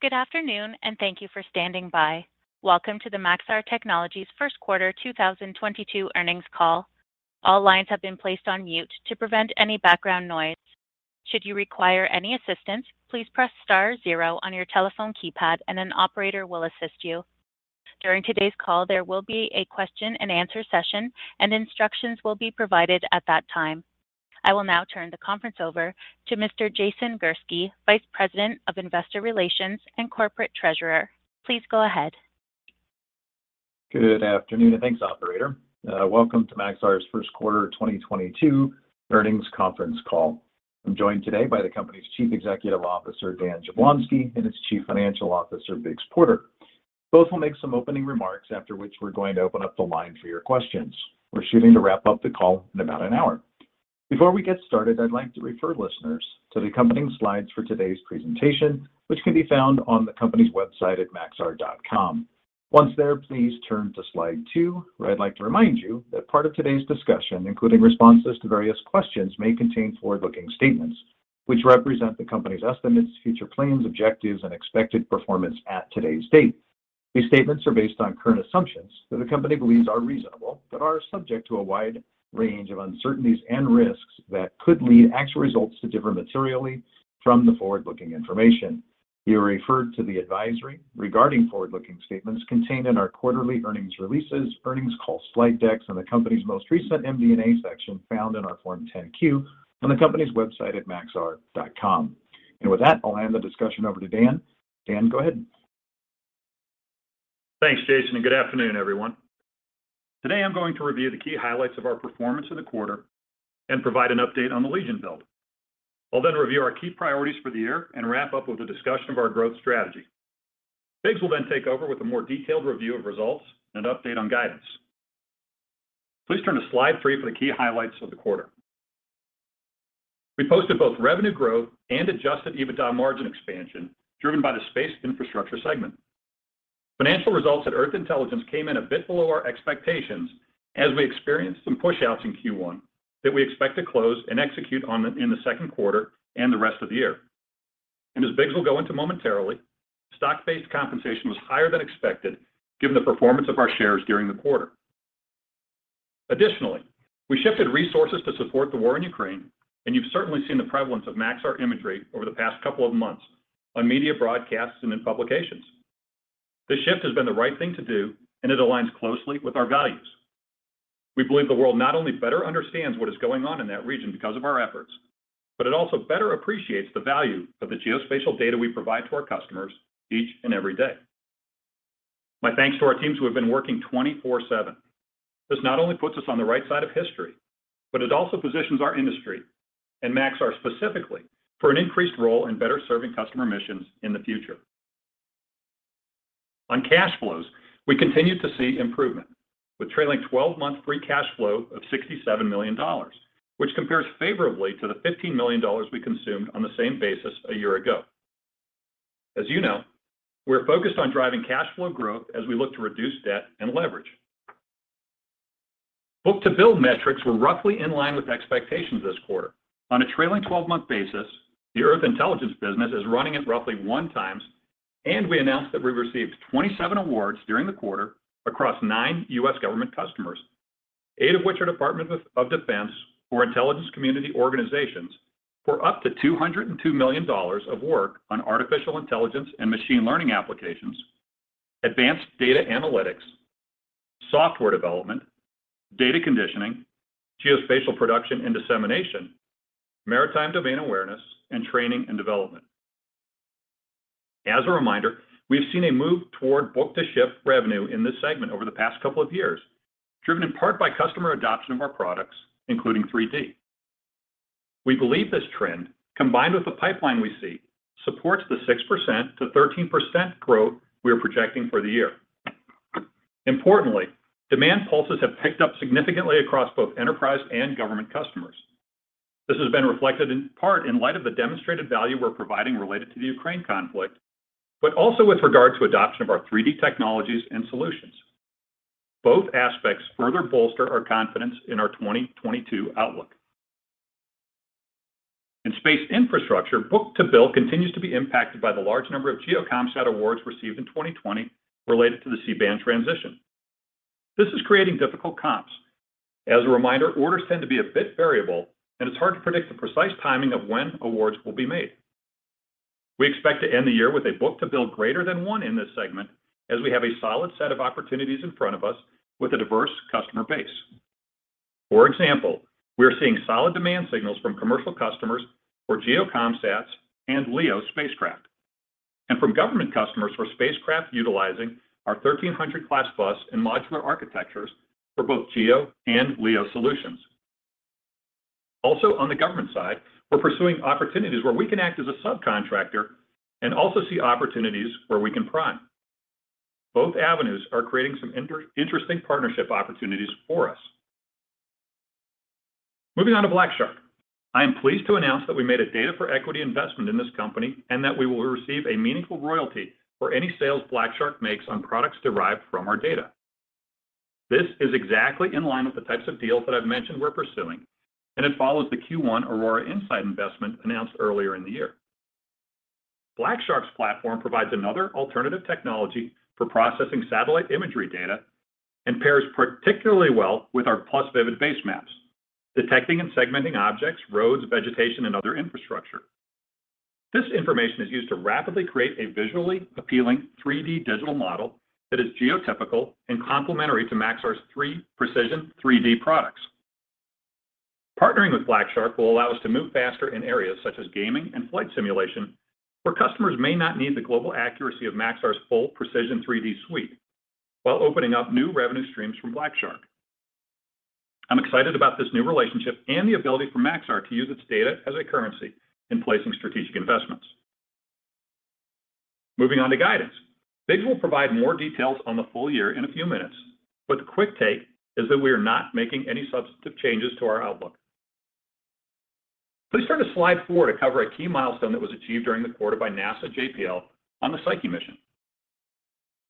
Good afternoon, and thank you for standing by. Welcome to the Maxar Technologies First Quarter 2022 Earnings Call. All lines have been placed on mute to prevent any background noise. Should you require any assistance, please press star zero on your telephone keypad and an operator will assist you. During today's call, there will be a question-and-answer session, and instructions will be provided at that time. I will now turn the conference over to Mr. Jason Gursky, Vice President of Investor Relations and Corporate Treasurer. Please go ahead. Good afternoon, and thanks, operator. Welcome to Maxar's First Quarter 2022 Earnings Conference Call. I'm joined today by the company's Chief Executive Officer, Dan Jablonsky, and its Chief Financial Officer, Biggs Porter. Both will make some opening remarks, after which we're going to open up the line for your questions. We're shooting to wrap up the call in about an hour. Before we get started, I'd like to refer listeners to the accompanying slides for today's presentation, which can be found on the company's website at maxar.com. Once there, please turn to slide two, where I'd like to remind you that part of today's discussion, including responses to various questions, may contain forward-looking statements, which represent the company's estimates, future plans, objectives, and expected performance at today's date. These statements are based on current assumptions that the company believes are reasonable but are subject to a wide range of uncertainties and risks that could lead actual results to differ materially from the forward-looking information. You are referred to the advisory regarding forward-looking statements contained in our quarterly earnings releases, earnings call slide decks, and the company's most recent MD&A section found in our Form 10-Q on the company's website at maxar.com. With that, I'll hand the discussion over to Dan. Dan, go ahead. Thanks, Jason, and good afternoon, everyone. Today, I'm going to review the key highlights of our performance in the quarter and provide an update on the Legion build. I'll then review our key priorities for the year and wrap up with a discussion of our growth strategy. Biggs will then take over with a more detailed review of results and an update on guidance. Please turn to slide three for the key highlights of the quarter. We posted both revenue growth and adjusted EBITDA margin expansion driven by the Space Infrastructure segment. Financial results at Earth Intelligence came in a bit below our expectations as we experienced some pushouts in Q1 that we expect to close and execute on in the second quarter and the rest of the year. As Biggs will go into momentarily, stock-based compensation was higher than expected given the performance of our shares during the quarter. Additionally, we shifted resources to support the war in Ukraine, and you've certainly seen the prevalence of Maxar imagery over the past couple of months on media broadcasts and in publications. This shift has been the right thing to do, and it aligns closely with our values. We believe the world not only better understands what is going on in that region because of our efforts, but it also better appreciates the value of the geospatial data we provide to our customers each and every day. My thanks to our teams who have been working 24/7. This not only puts us on the right side of history, but it also positions our industry and Maxar specifically for an increased role in better serving customer missions in the future. On cash flows, we continue to see improvement with trailing 12-month free cash flow of $67 million, which compares favorably to the $15 million we consumed on the same basis a year ago. As you know, we're focused on driving cash flow growth as we look to reduce debt and leverage. Book-to-bill metrics were roughly in line with expectations this quarter. On a trailing 12-month basis, the Earth Intelligence business is running at roughly 1x, and we announced that we've received 27 awards during the quarter across nine U.S. government customers, eight of which are Department of Defense or intelligence community organizations, for up to $202 million of work on artificial intelligence and machine learning applications, advanced data analytics, software development, data conditioning, geospatial production and dissemination, maritime domain awareness, and training and development. As a reminder, we have seen a move toward book-to-ship revenue in this segment over the past couple of years, driven in part by customer adoption of our products, including 3D. We believe this trend, combined with the pipeline we see, supports the 6%-13% growth we are projecting for the year. Importantly, demand pulses have picked up significantly across both enterprise and government customers. This has been reflected in part in light of the demonstrated value we're providing related to the Ukraine conflict, but also with regard to adoption of our 3D technologies and solutions. Both aspects further bolster our confidence in our 2022 outlook. In Space Infrastructure, book-to-bill continues to be impacted by the large number of GEO commsat awards received in 2020 related to the C-band transition. This is creating difficult comps. As a reminder, orders tend to be a bit variable, and it's hard to predict the precise timing of when awards will be made. We expect to end the year with a book-to-bill greater than one in this segment as we have a solid set of opportunities in front of us with a diverse customer base. For example, we are seeing solid demand signals from commercial customers for GEO commsats and LEO spacecraft, and from government customers for spacecraft utilizing our 1300-class bus and modular architectures for both GEO and LEO solutions. On the government side, we're pursuing opportunities where we can act as a subcontractor and also see opportunities where we can prime. Both avenues are creating some interesting partnership opportunities for us. Moving on to Blackshark. I am pleased to announce that we made a data for equity investment in this company and that we will receive a meaningful royalty for any sales Blackshark makes on products derived from our data. This is exactly in line with the types of deals that I've mentioned we're pursuing, and it follows the Q1 Aurora Insight investment announced earlier in the year. Blackshark's platform provides another alternative technology for processing satellite imagery data and pairs particularly well with our Plus Vivid base maps, detecting and segmenting objects, roads, vegetation, and other infrastructure. This information is used to rapidly create a visually appealing 3D digital model that is geotypical and complementary to Maxar's three Precision3D products. Partnering with Blackshark will allow us to move faster in areas such as gaming and flight simulation, where customers may not need the global accuracy of Maxar's full Precision3D suite while opening up new revenue streams from Blackshark. I'm excited about this new relationship and the ability for Maxar to use its data as a currency in placing strategic investments. Moving on to guidance. Biggs will provide more details on the full year in a few minutes, but the quick take is that we are not making any substantive changes to our outlook. Please turn to slide four to cover a key milestone that was achieved during the quarter by NASA JPL on the Psyche mission.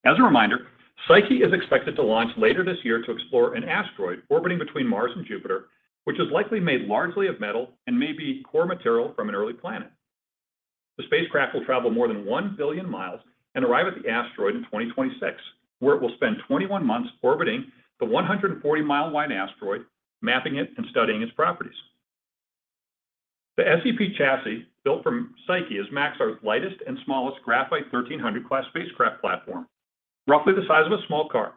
As a reminder, Psyche is expected to launch later this year to explore an asteroid orbiting between Mars and Jupiter, which is likely made largely of metal and may be core material from an early planet. The spacecraft will travel more than 1 billion mi and arrive at the asteroid in 2026, where it will spend 21 months orbiting the 140 mi wide asteroid, mapping it and studying its properties. The SEP chassis built for Psyche is Maxar's lightest and smallest graphite 1300-class spacecraft platform, roughly the size of a small car.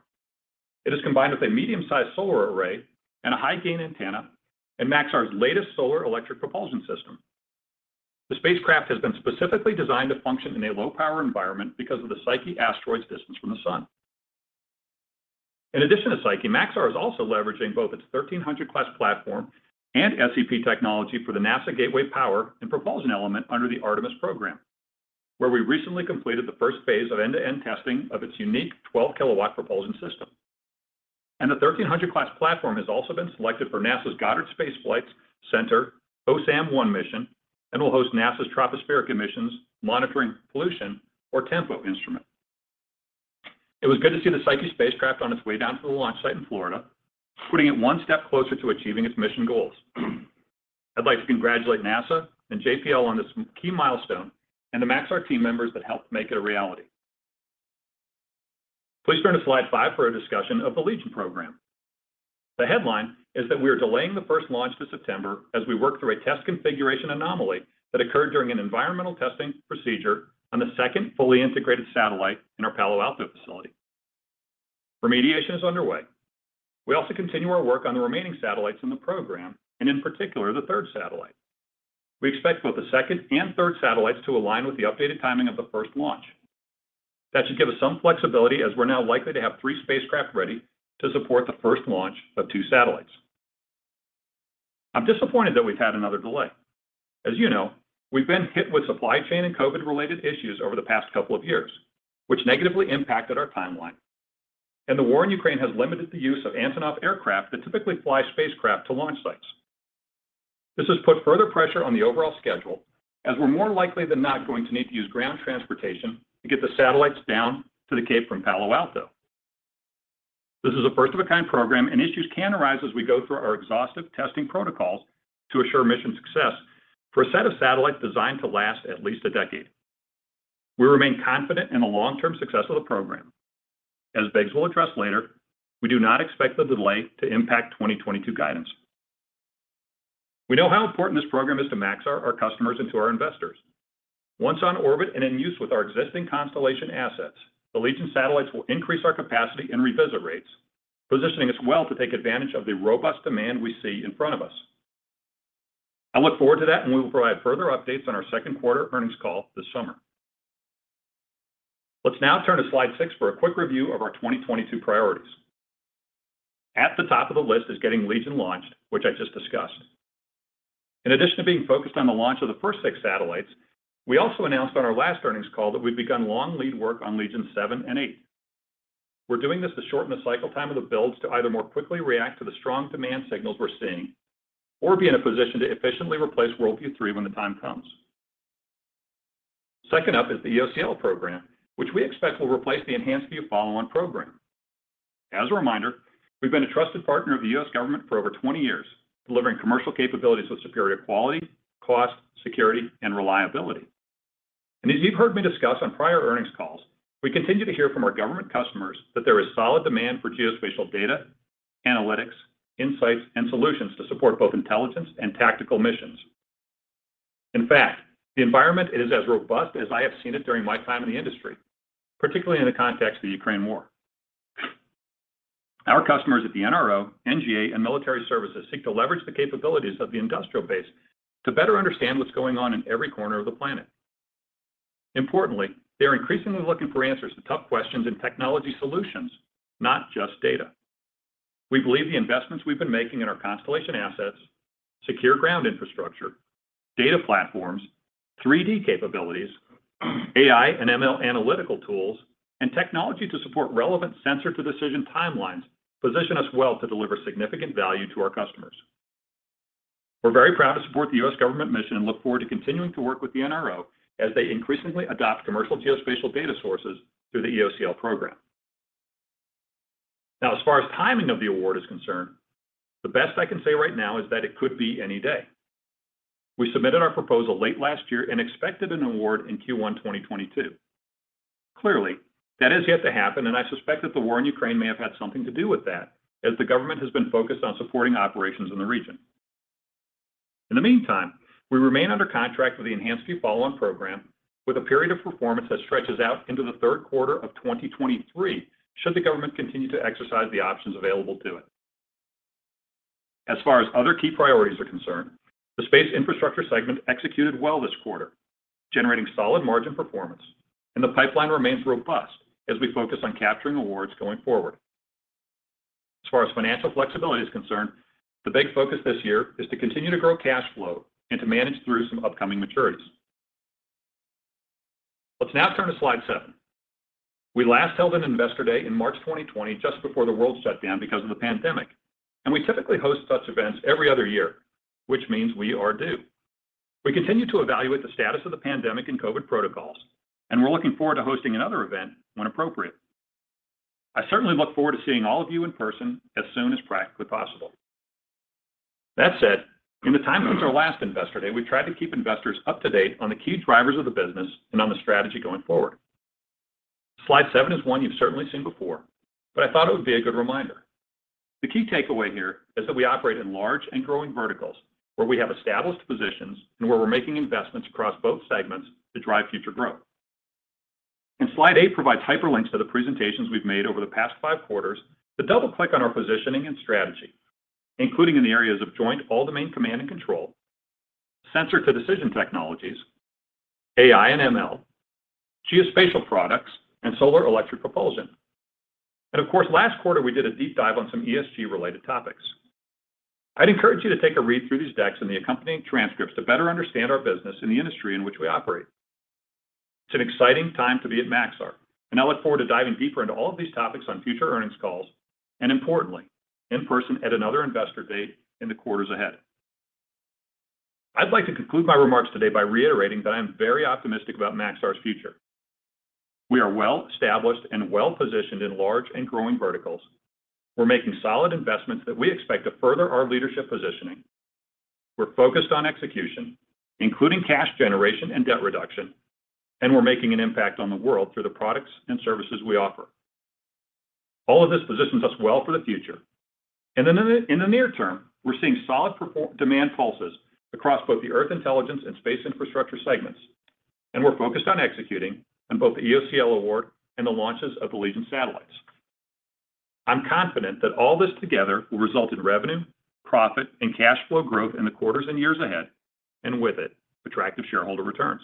It is combined with a medium-sized solar array and a high gain antenna, and Maxar's latest solar electric propulsion system. The spacecraft has been specifically designed to function in a low-power environment because of the Psyche asteroid's distance from the sun. In addition to Psyche, Maxar is also leveraging both its 1,300-class platform and SEP technology for the NASA Gateway Power and Propulsion Element under the Artemis program, where we recently completed the first phase of end-to-end testing of its unique 12 kW propulsion system. The 1,300-class platform has also been selected for NASA's Goddard Space Flight Center OSAM-1 mission and will host NASA's Tropospheric Emissions: Monitoring of Pollution, or TEMPO, instrument. It was good to see the Psyche spacecraft on its way down to the launch site in Florida, putting it one step closer to achieving its mission goals. I'd like to congratulate NASA and JPL on this key milestone and the Maxar team members that helped make it a reality. Please turn to slide five for a discussion of the Legion program. The headline is that we are delaying the first launch to September as we work through a test configuration anomaly that occurred during an environmental testing procedure on the second fully integrated satellite in our Palo Alto facility. Remediation is underway. We also continue our work on the remaining satellites in the program and in particular, the third satellite. We expect both the second and third satellites to align with the updated timing of the first launch. That should give us some flexibility as we're now likely to have three spacecraft ready to support the first launch of two satellites. I'm disappointed that we've had another delay. As you know, we've been hit with supply chain and COVID-related issues over the past couple of years, which negatively impacted our timeline. The war in Ukraine has limited the use of Antonov aircraft that typically fly spacecraft to launch sites. This has put further pressure on the overall schedule as we're more likely than not going to need to use ground transportation to get the satellites down to the Cape from Palo Alto. This is a first of a kind program, and issues can arise as we go through our exhaustive testing protocols to assure mission success for a set of satellites designed to last at least a decade. We remain confident in the long-term success of the program. As Biggs will address later, we do not expect the delay to impact 2022 guidance. We know how important this program is to Maxar, our customers, and to our investors. Once on orbit and in use with our existing constellation assets, the Legion satellites will increase our capacity and revisit rates, positioning us well to take advantage of the robust demand we see in front of us. I look forward to that, and we will provide further updates on our second quarter earnings call this summer. Let's now turn to slide six for a quick review of our 2022 priorities. At the top of the list is getting Legion launched, which I just discussed. In addition to being focused on the launch of the first six satellites, we also announced on our last earnings call that we've begun long lead work on Legion 7 and 8. We're doing this to shorten the cycle time of the builds to either more quickly react to the strong demand signals we're seeing or be in a position to efficiently replace WorldView-3 when the time comes. Second up is the EOCL program, which we expect will replace the EnhancedView Follow-On program. As a reminder, we've been a trusted partner of the U.S. government for over 20 years, delivering commercial capabilities with superior quality, cost, security, and reliability. As you've heard me discuss on prior earnings calls, we continue to hear from our government customers that there is solid demand for geospatial data, analytics, insights, and solutions to support both intelligence and tactical missions. In fact, the environment is as robust as I have seen it during my time in the industry, particularly in the context of the Ukraine war. Our customers at the NRO, NGA, and military services seek to leverage the capabilities of the industrial base to better understand what's going on in every corner of the planet. Importantly, they are increasingly looking for answers to tough questions and technology solutions, not just data. We believe the investments we've been making in our constellation assets, secure ground infrastructure, data platforms, 3D capabilities, AI and ML analytical tools, and technology to support relevant sensor to decision timelines position us well to deliver significant value to our customers. We're very proud to support the U.S. government mission and look forward to continuing to work with the NRO as they increasingly adopt commercial geospatial data sources through the EOCL program. Now, as far as timing of the award is concerned, the best I can say right now is that it could be any day. We submitted our proposal late last year and expected an award in Q1 2022. Clearly, that has yet to happen, and I suspect that the war in Ukraine may have had something to do with that as the government has been focused on supporting operations in the region. In the meantime, we remain under contract with the EnhancedView Follow-On program with a period of performance that stretches out into the third quarter of 2023 should the government continue to exercise the options available to it. As far as other key priorities are concerned, the Space Infrastructure segment executed well this quarter, generating solid margin performance, and the pipeline remains robust as we focus on capturing awards going forward. As far as financial flexibility is concerned, the big focus this year is to continue to grow cash flow and to manage through some upcoming maturities. Let's now turn to slide seven. We last held an Investor Day in March 2020, just before the world shut down because of the pandemic, and we typically host such events every other year, which means we are due. We continue to evaluate the status of the pandemic and COVID protocols, and we're looking forward to hosting another event when appropriate. I certainly look forward to seeing all of you in person as soon as practically possible. That said, in the time since our last Investor Day, we've tried to keep investors up to date on the key drivers of the business and on the strategy going forward. Slide seven is one you've certainly seen before, but I thought it would be a good reminder. The key takeaway here is that we operate in large and growing verticals where we have established positions and where we're making investments across both segments to drive future growth. Slide eight provides hyperlinks to the presentations we've made over the past five quarters to double click on our positioning and strategy, including in the areas of Joint All-Domain Command and Control, sensor to decision technologies, AI and ML, geospatial products, and solar electric propulsion. Of course, last quarter, we did a deep dive on some ESG-related topics. I'd encourage you to take a read through these decks and the accompanying transcripts to better understand our business and the industry in which we operate. It's an exciting time to be at Maxar, and I look forward to diving deeper into all of these topics on future earnings calls and importantly, in person at another Investor Day in the quarters ahead. I'd like to conclude my remarks today by reiterating that I am very optimistic about Maxar's future. We are well established and well-positioned in large and growing verticals. We're making solid investments that we expect to further our leadership positioning. We're focused on execution, including cash generation and debt reduction, and we're making an impact on the world through the products and services we offer. All of this positions us well for the future. In the near term, we're seeing solid demand pulses across both the Earth Intelligence and Space Infrastructure segments, and we're focused on executing on both the EOCL award and the launches of the Legion satellites. I'm confident that all this together will result in revenue, profit, and cash flow growth in the quarters and years ahead, and with it, attractive shareholder returns.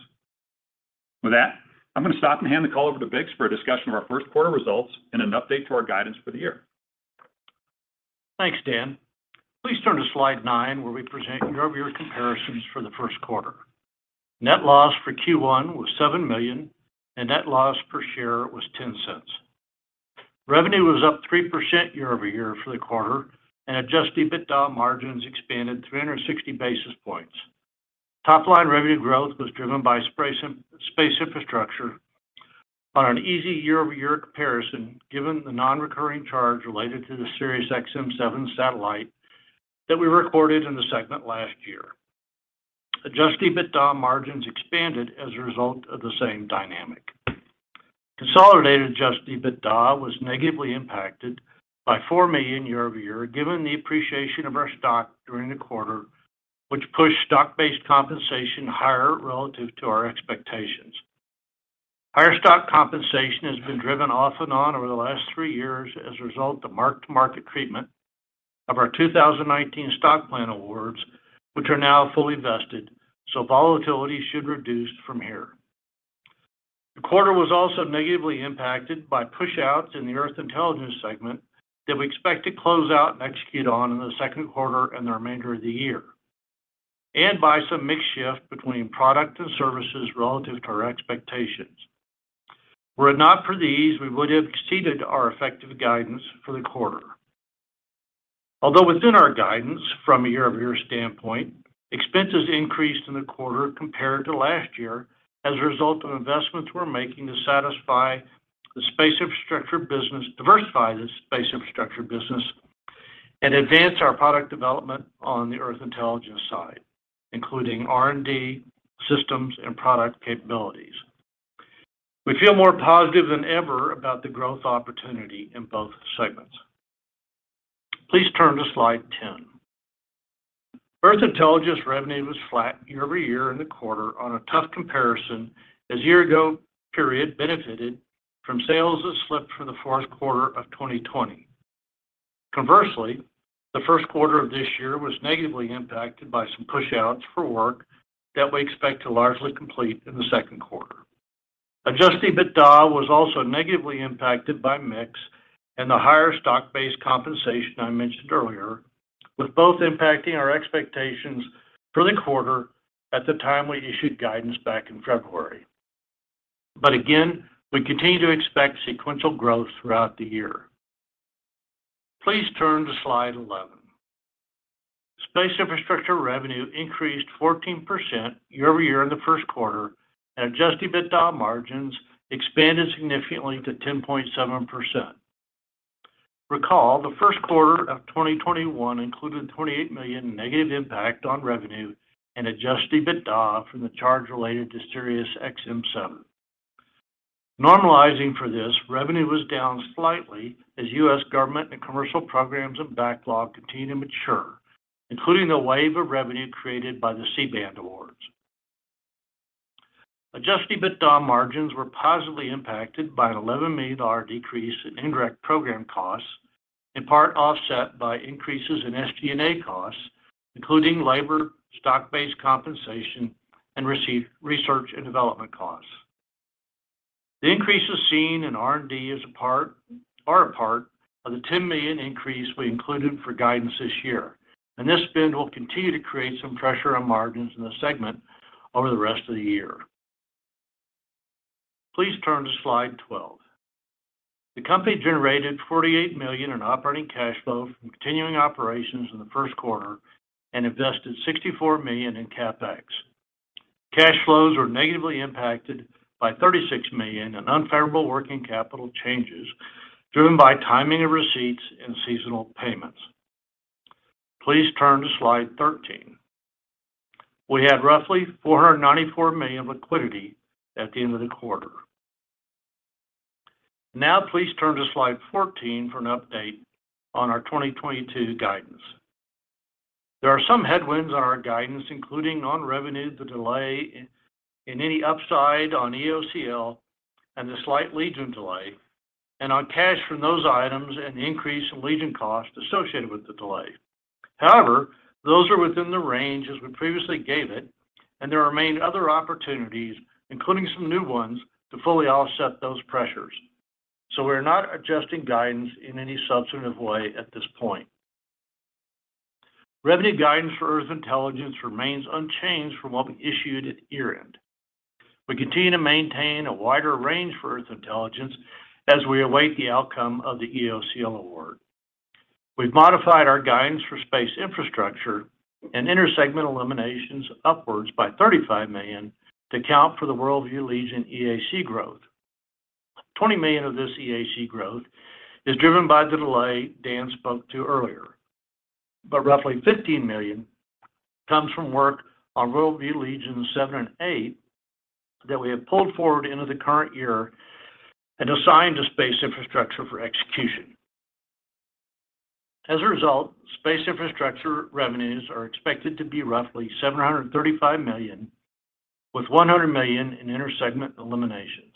With that, I'm going to stop and hand the call over to Biggs for a discussion of our first quarter results and an update to our guidance for the year. Thanks, Dan. Please turn to slide nine, where we present year-over-year comparisons for the first quarter. Net loss for Q1 was $7 million, and net loss per share was $0.10. Revenue was up 3% year-over-year for the quarter, and adjusted EBITDA margins expanded 360 basis points. Top line revenue growth was driven by Space In, Space Infrastructure on an easy year-over-year comparison, given the non-recurring charge related to the SXM-7 satellite that we recorded in the segment last year. Adjusted EBITDA margins expanded as a result of the same dynamic. Consolidated adjusted EBITDA was negatively impacted by $4 million year-over-year, given the appreciation of our stock during the quarter, which pushed stock-based compensation higher relative to our expectations. Higher stock compensation has been driven off and on over the last three years as a result of mark-to-market treatment of our 2019 stock plan awards, which are now fully vested, so volatility should reduce from here. The quarter was also negatively impacted by pushouts in the Earth Intelligence segment that we expect to close out and execute on in the second quarter and the remainder of the year, and by some mix shift between product and services relative to our expectations. Were it not for these, we would have exceeded our effective guidance for the quarter. Although within our guidance from a year-over-year standpoint, expenses increased in the quarter compared to last year as a result of investments we're making to satisfy the Space Infrastructure business, diversify the Space Infrastructure business and advance our product development on the Earth Intelligence side, including R&D systems and product capabilities. We feel more positive than ever about the growth opportunity in both segments. Please turn to slide 10. Earth Intelligence revenue was flat year-over-year in the quarter on a tough comparison as year-ago period benefited from sales that slipped from the fourth quarter of 2020. Conversely, the first quarter of this year was negatively impacted by some pushouts for work that we expect to largely complete in the second quarter. Adjusted EBITDA was also negatively impacted by mix and the higher stock-based compensation I mentioned earlier, with both impacting our expectations for the quarter at the time we issued guidance back in February. Again, we continue to expect sequential growth throughout the year. Please turn to slide 11. Space Infrastructure revenue increased 14% year-over-year in the first quarter, and adjusted EBITDA margins expanded significantly to 10.7%. Recall, the first quarter of 2021 included a $28 million negative impact on revenue and adjusted EBITDA from the charge related to Sirius XM7. Normalizing for this, revenue was down slightly as U.S. government and commercial programs and backlog continued to mature, including the wave of revenue created by the C-band awards. Adjusted EBITDA margins were positively impacted by a $11 million decrease in indirect program costs, in part offset by increases in SG&A costs, including labor, stock-based compensation, and research and development costs. The increases seen in R&D are a part of the $10 million increase we included for guidance this year. This spend will continue to create some pressure on margins in the segment over the rest of the year. Please turn to slide 12. The company generated $48 million in operating cash flow from continuing operations in the first quarter and invested $64 million in CapEx. Cash flows were negatively impacted by $36 million in unfavorable working capital changes, driven by timing of receipts and seasonal payments. Please turn to slide 13. We had roughly $494 million liquidity at the end of the quarter. Now please turn to slide 14 for an update on our 2022 guidance. There are some headwinds on our guidance, including on revenue, the delay in any upside on EOCL, and the slight Legion delay, and on cash from those items, and the increase in Legion costs associated with the delay. However, those are within the range as we previously gave it, and there remain other opportunities, including some new ones, to fully offset those pressures. We're not adjusting guidance in any substantive way at this point. Revenue guidance for Earth Intelligence remains unchanged from what we issued at year-end. We continue to maintain a wider range for Earth Intelligence as we await the outcome of the EOCL award. We've modified our guidance for Space Infrastructure and intersegment eliminations upwards by $35 million to account for the WorldView Legion EAC growth. $20 million of this EAC growth is driven by the delay Dan spoke to earlier. Roughly $15 million comes from work on WorldView Legion 7 and 8 that we have pulled forward into the current year and assigned to Space Infrastructure for execution. As a result, Space Infrastructure revenues are expected to be roughly $735 million, with $100 million in intersegment eliminations.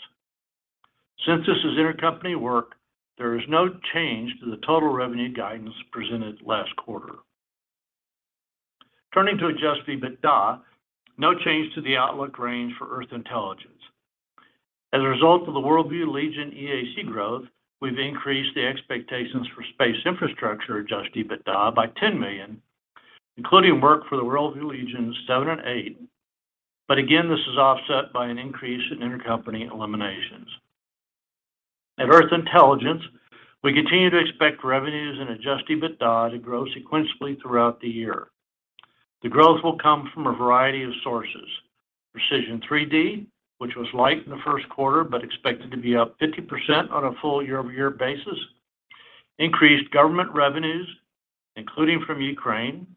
Since this is intercompany work, there is no change to the total revenue guidance presented last quarter. Turning to adjusted EBITDA, no change to the outlook range for Earth Intelligence. As a result of the WorldView Legion EAC growth, we've increased the expectations for Space Infrastructure adjusted EBITDA by $10 million, including work for the WorldView Legion 7 and 8. Again, this is offset by an increase in intercompany eliminations. At Earth Intelligence, we continue to expect revenues and adjusted EBITDA to grow sequentially throughout the year. The growth will come from a variety of sources. Precision3D, which was light in the first quarter but expected to be up 50% on a full year-over-year basis. Increased government revenues, including from Ukraine.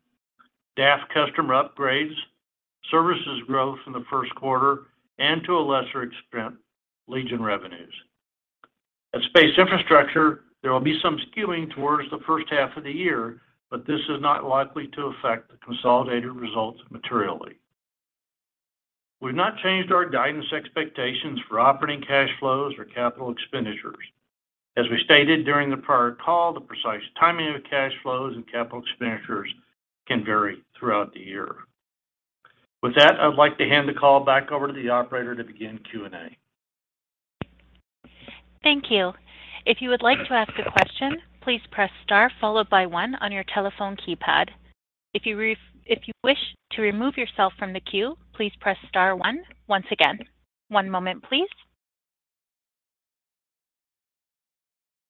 DAF customer upgrades. Services growth in the first quarter, and to a lesser extent, Legion revenues. At Space Infrastructure, there will be some skewing towards the first half of the year, but this is not likely to affect the consolidated results materially. We've not changed our guidance expectations for operating cash flows or capital expenditures. As we stated during the prior call, the precise timing of cash flows and capital expenditures can vary throughout the year. With that, I'd like to hand the call back over to the operator to begin Q&A. Thank you. If you would like to ask a question, please press star followed by one on your telephone keypad. If you wish to remove yourself from the queue, please press star one once again. One moment, please.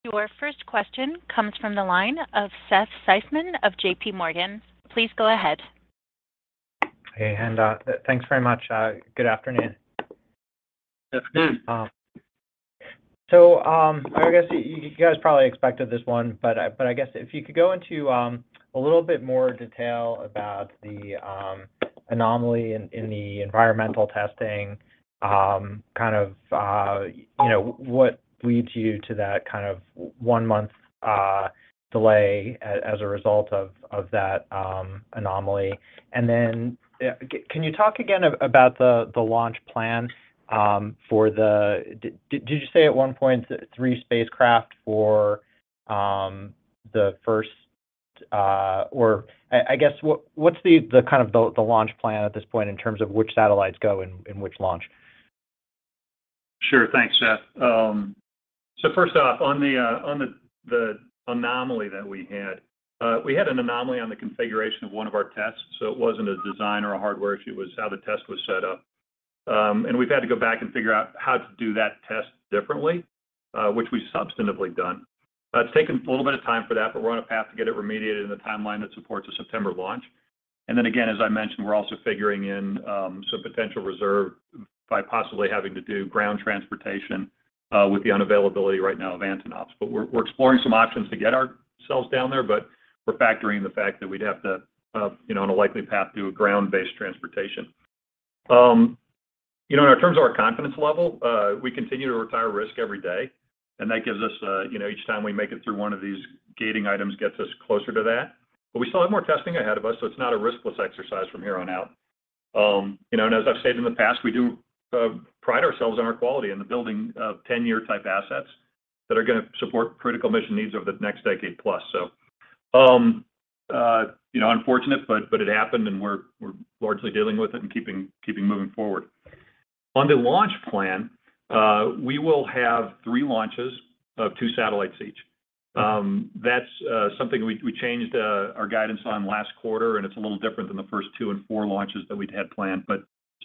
Your first question comes from the line of Seth Seifman of JPMorgan. Please go ahead. Hey, thanks very much. Good afternoon. Good afternoon. I guess you guys probably expected this one, but I guess if you could go into a little bit more detail about the anomaly in the environmental testing, kind of, you know, what leads you to that kind of one month delay as a result of that anomaly. Can you talk again about the launch plan for the. Did you say at one point 1.3 spacecraft for the first. Or, I guess, what's the kind of launch plan at this point in terms of which satellites go in which launch? Sure. Thanks, Seth. First off, on the anomaly that we had on the configuration of one of our tests. It wasn't a design or a hardware issue, it was how the test was set up. We've had to go back and figure out how to do that test differently, which we've substantively done. It's taken a little bit of time for that, but we're on a path to get it remediated in a timeline that supports a September launch. Then again, as I mentioned, we're also figuring in some potential reserve by possibly having to do ground transportation with the unavailability right now of Antonov. We're exploring some options to get ourselves down there, but we're factoring the fact that we'd have to, you know, on a likely path, do a ground-based transportation. You know, in terms of our confidence level, we continue to retire risk every day, and that gives us, you know, each time we make it through one of these gating items gets us closer to that. We still have more testing ahead of us, so it's not a riskless exercise from here on out. You know, as I've said in the past, we do pride ourselves on our quality in the building of 10-year type assets that are gonna support critical mission needs over the next decade plus. Unfortunate, but it happened, and we're largely dealing with it and keeping moving forward. On the launch plan, we will have three launches of two satellites each. That's something we changed our guidance on last quarter, and it's a little different than the first two and four launches that we'd had planned.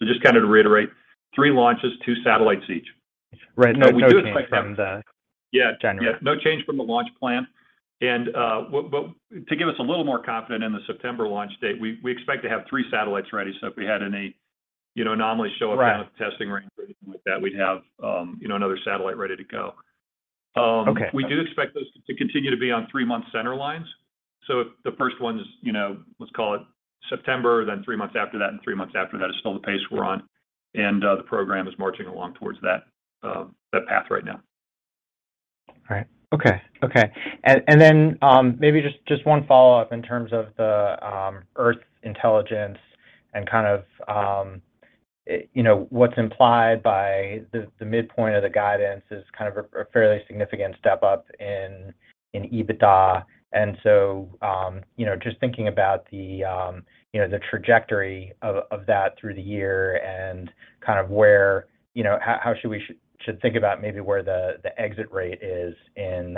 Just kind of to reiterate, three launches, two satellites each. Right. No change from the Yeah. January. Yeah. No change from the launch plan. But to give us a little more confident in the September launch date, we expect to have three satellites ready. If we had any, you know, anomalies show up. Right. In the testing range or anything like that, we'd have, you know, another satellite ready to go. Okay. We do expect those to continue to be on three-month center lines. If the first one's, you know, let's call it September, then three months after that and three months after that is still the pace we're on. The program is marching along towards that path right now. All right. Okay. Okay. Maybe just one follow-up in terms of the Earth Intelligence and kind of, you know, what's implied by the midpoint of the guidance is kind of a fairly significant step up in EBITDA. You know, just thinking about the you know the trajectory of that through the year and kind of where, you know, how should we think about maybe where the exit rate is in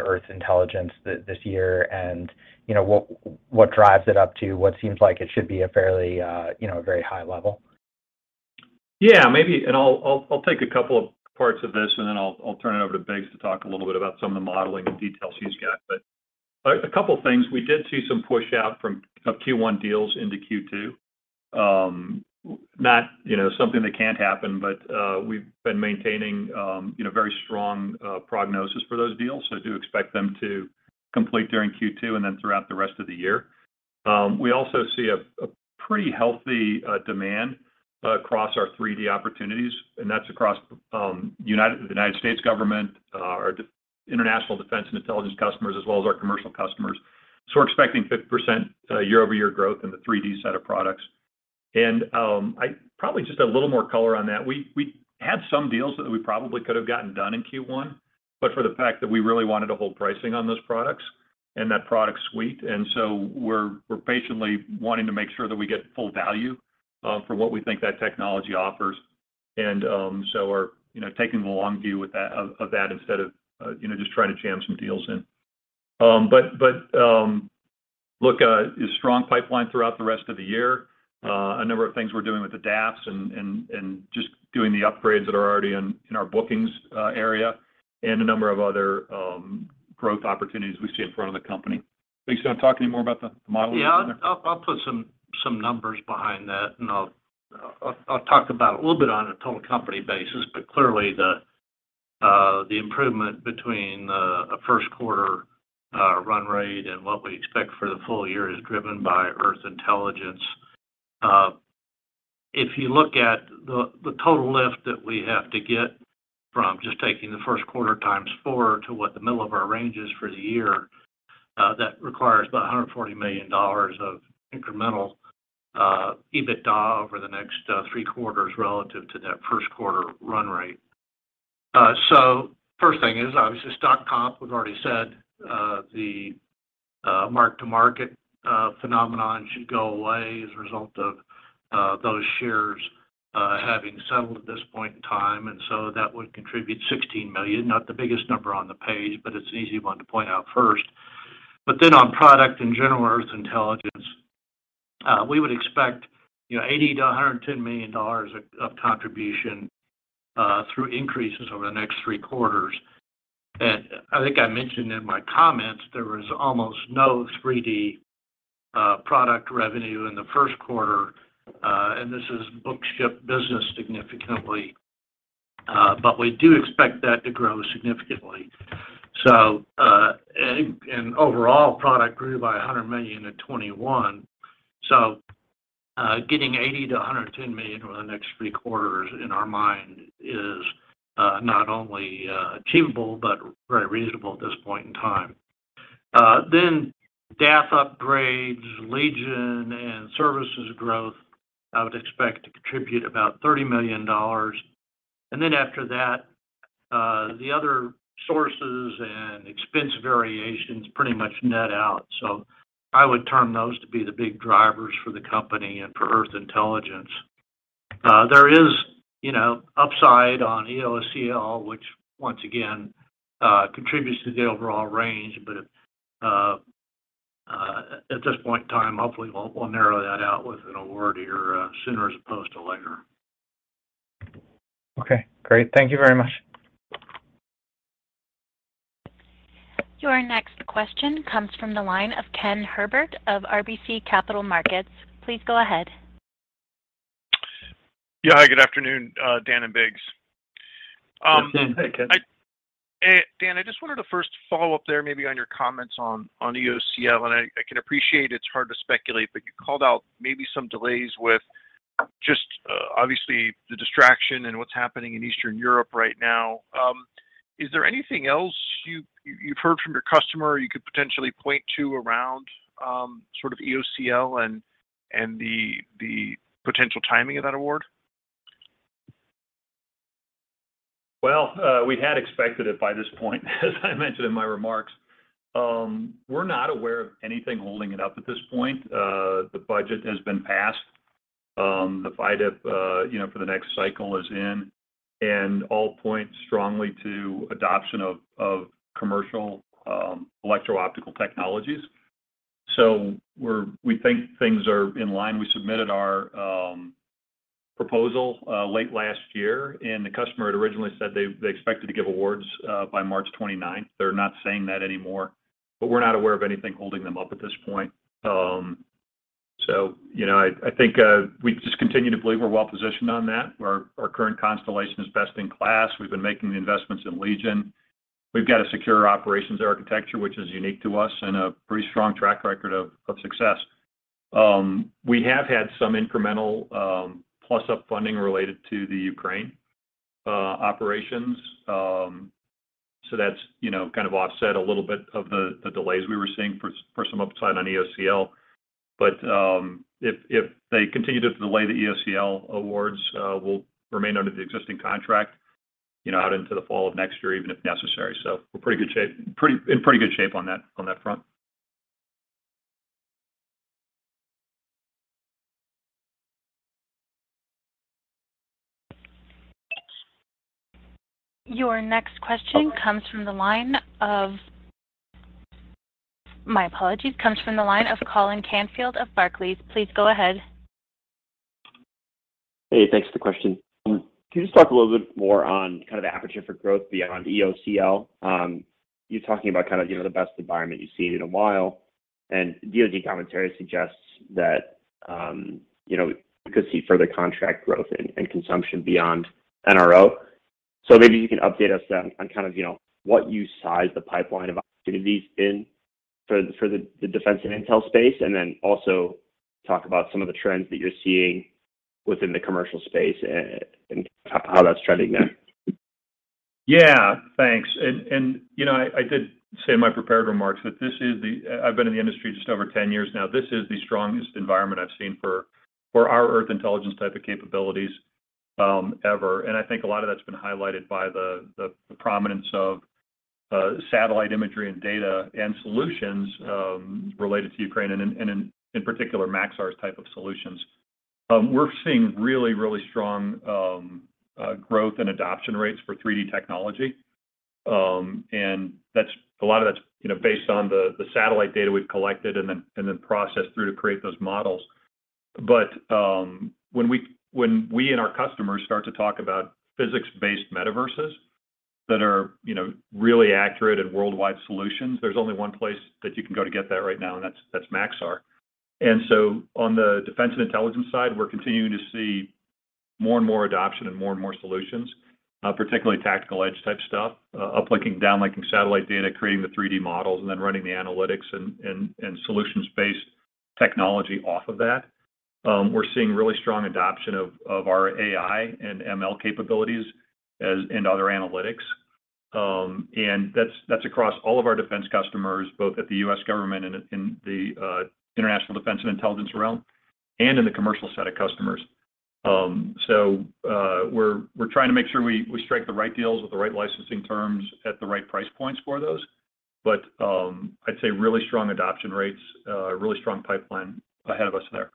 Earth Intelligence this year, and, you know, what drives it up to what seems like it should be a fairly you know a very high level? Yeah, maybe, I'll take a couple of parts of this, then I'll turn it over to Biggs to talk a little bit about some of the modeling and details he's got. A couple things. We did see some pushout of Q1 deals into Q2. Not you know something that can't happen, but we've been maintaining you know very strong progress for those deals, so do expect them to complete during Q2 and then throughout the rest of the year. We also see a pretty healthy demand across our 3D opportunities, and that's across the United States government, our international defense and intelligence customers, as well as our commercial customers. We're expecting 50% year-over-year growth in the 3D set of products. Probably just a little more color on that. We had some deals that we probably could have gotten done in Q1, but for the fact that we really wanted to hold pricing on those products and that product suite, and so we're patiently wanting to make sure that we get full value for what we think that technology offers. We're, you know, taking the long view with that, of that instead of, you know, just trying to jam some deals in. Look, a strong pipeline throughout the rest of the year. A number of things we're doing with the DAFs and just doing the upgrades that are already in our bookings area and a number of other growth opportunities we see in front of the company. Biggs, you want to talk any more about the modeling? Yeah. I'll put some numbers behind that, and I'll talk about a little bit on a total company basis. Clearly the improvement between a first quarter run rate and what we expect for the full year is driven by Earth Intelligence. If you look at the total lift that we have to get from just taking the first quarter times four to what the middle of our range is for the year, that requires about $140 million of incremental EBITDA over the next three quarters relative to that first quarter run rate. First thing is obviously stock comp, we've already said, the mark to market phenomenon should go away as a result of those shares having settled at this point in time, and that would contribute $16 million. Not the biggest number on the page, but it's an easy one to point out first. Then on product in general, Earth Intelligence, we would expect, you know, $80 million-$110 million of contribution through increases over the next three quarters. I think I mentioned in my comments there was almost no 3D product revenue in the first quarter, and this is book-to-ship business significantly. But we do expect that to grow significantly. Overall product grew by $100 million in 2021. Getting $80 million-$110 million over the next three quarters in our mind is not only achievable but very reasonable at this point in time. DAF upgrades, Legion and services growth I would expect to contribute about $30 million. After that, the other sources and expense variations pretty much net out. I would term those to be the big drivers for the company and for Earth Intelligence. There is, you know, upside on EOCL which once again contributes to the overall range. At this point in time, hopefully, we'll narrow that out with an award here sooner as opposed to later. Okay, great. Thank you very much. Your next question comes from the line of Ken Herbert of RBC Capital Markets. Please go ahead. Yeah. Hi, good afternoon, Dan and Biggs. Hey, Ken. Dan, I just wanted to first follow up there maybe on your comments on EOCL. I can appreciate it's hard to speculate, but you called out maybe some delays with just obviously the distraction and what's happening in Eastern Europe right now. Is there anything else you've heard from your customer you could potentially point to around sort of EOCL and the potential timing of that award? Well, we had expected it by this point as I mentioned in my remarks. We're not aware of anything holding it up at this point. The budget has been passed. The FYDP, you know, for the next cycle is in, and all point strongly to adoption of commercial electro optical technologies. We think things are in line. We submitted our proposal late last year, and the customer had originally said they expected to give awards by March 29th. They're not saying that anymore, but we're not aware of anything holding them up at this point. You know, I think we just continue to believe we're well positioned on that. Our current constellation is best in class. We've been making the investments in Legion. We've got a secure operations architecture, which is unique to us, and a pretty strong track record of success. We have had some incremental plus up funding related to the Ukraine operations. That's, you know, kind of offset a little bit of the delays we were seeing for some upside on EOCL. If they continue to delay the EOCL awards, we'll remain under the existing contract, you know, out into the fall of next year, even if necessary. We're in pretty good shape on that front. Your next question comes from the line of Colin Canfield of Barclays. Please go ahead. Hey, thanks for the question. Can you just talk a little bit more on kind of the aperture for growth beyond EOCL? You're talking about kind of, you know, the best environment you've seen in a while, and DoD commentary suggests that, you know, we could see further contract growth and consumption beyond NRO. Maybe you can update us then on kind of, you know, what you size the pipeline of opportunities in for the defense and intel space, and then also talk about some of the trends that you're seeing within the commercial space and how that's trending now. Yeah, thanks. You know, I did say in my prepared remarks that this is the strongest environment I've seen for our Earth Intelligence type of capabilities ever. I think a lot of that's been highlighted by the prominence of satellite imagery and data and solutions related to Ukraine, and in particular, Maxar's type of solutions. We're seeing really strong growth and adoption rates for 3D technology. That's a lot of that's, you know, based on the satellite data we've collected and then processed through to create those models. When we and our customers start to talk about physics-based metaverses that are, you know, really accurate and worldwide solutions, there's only one place that you can go to get that right now, and that's Maxar. On the defense and intelligence side, we're continuing to see more and more adoption and more and more solutions, particularly tactical edge type stuff, uplinking, downlinking satellite data, creating the 3D models, and then running the analytics and solutions-based technology off of that. We're seeing really strong adoption of our AI and ML capabilities as and other analytics. That's across all of our defense customers, both at the U.S. government and in the international defense and intelligence realm, and in the commercial set of customers. We're trying to make sure we strike the right deals with the right licensing terms at the right price points for those. I'd say really strong adoption rates, really strong pipeline ahead of us there.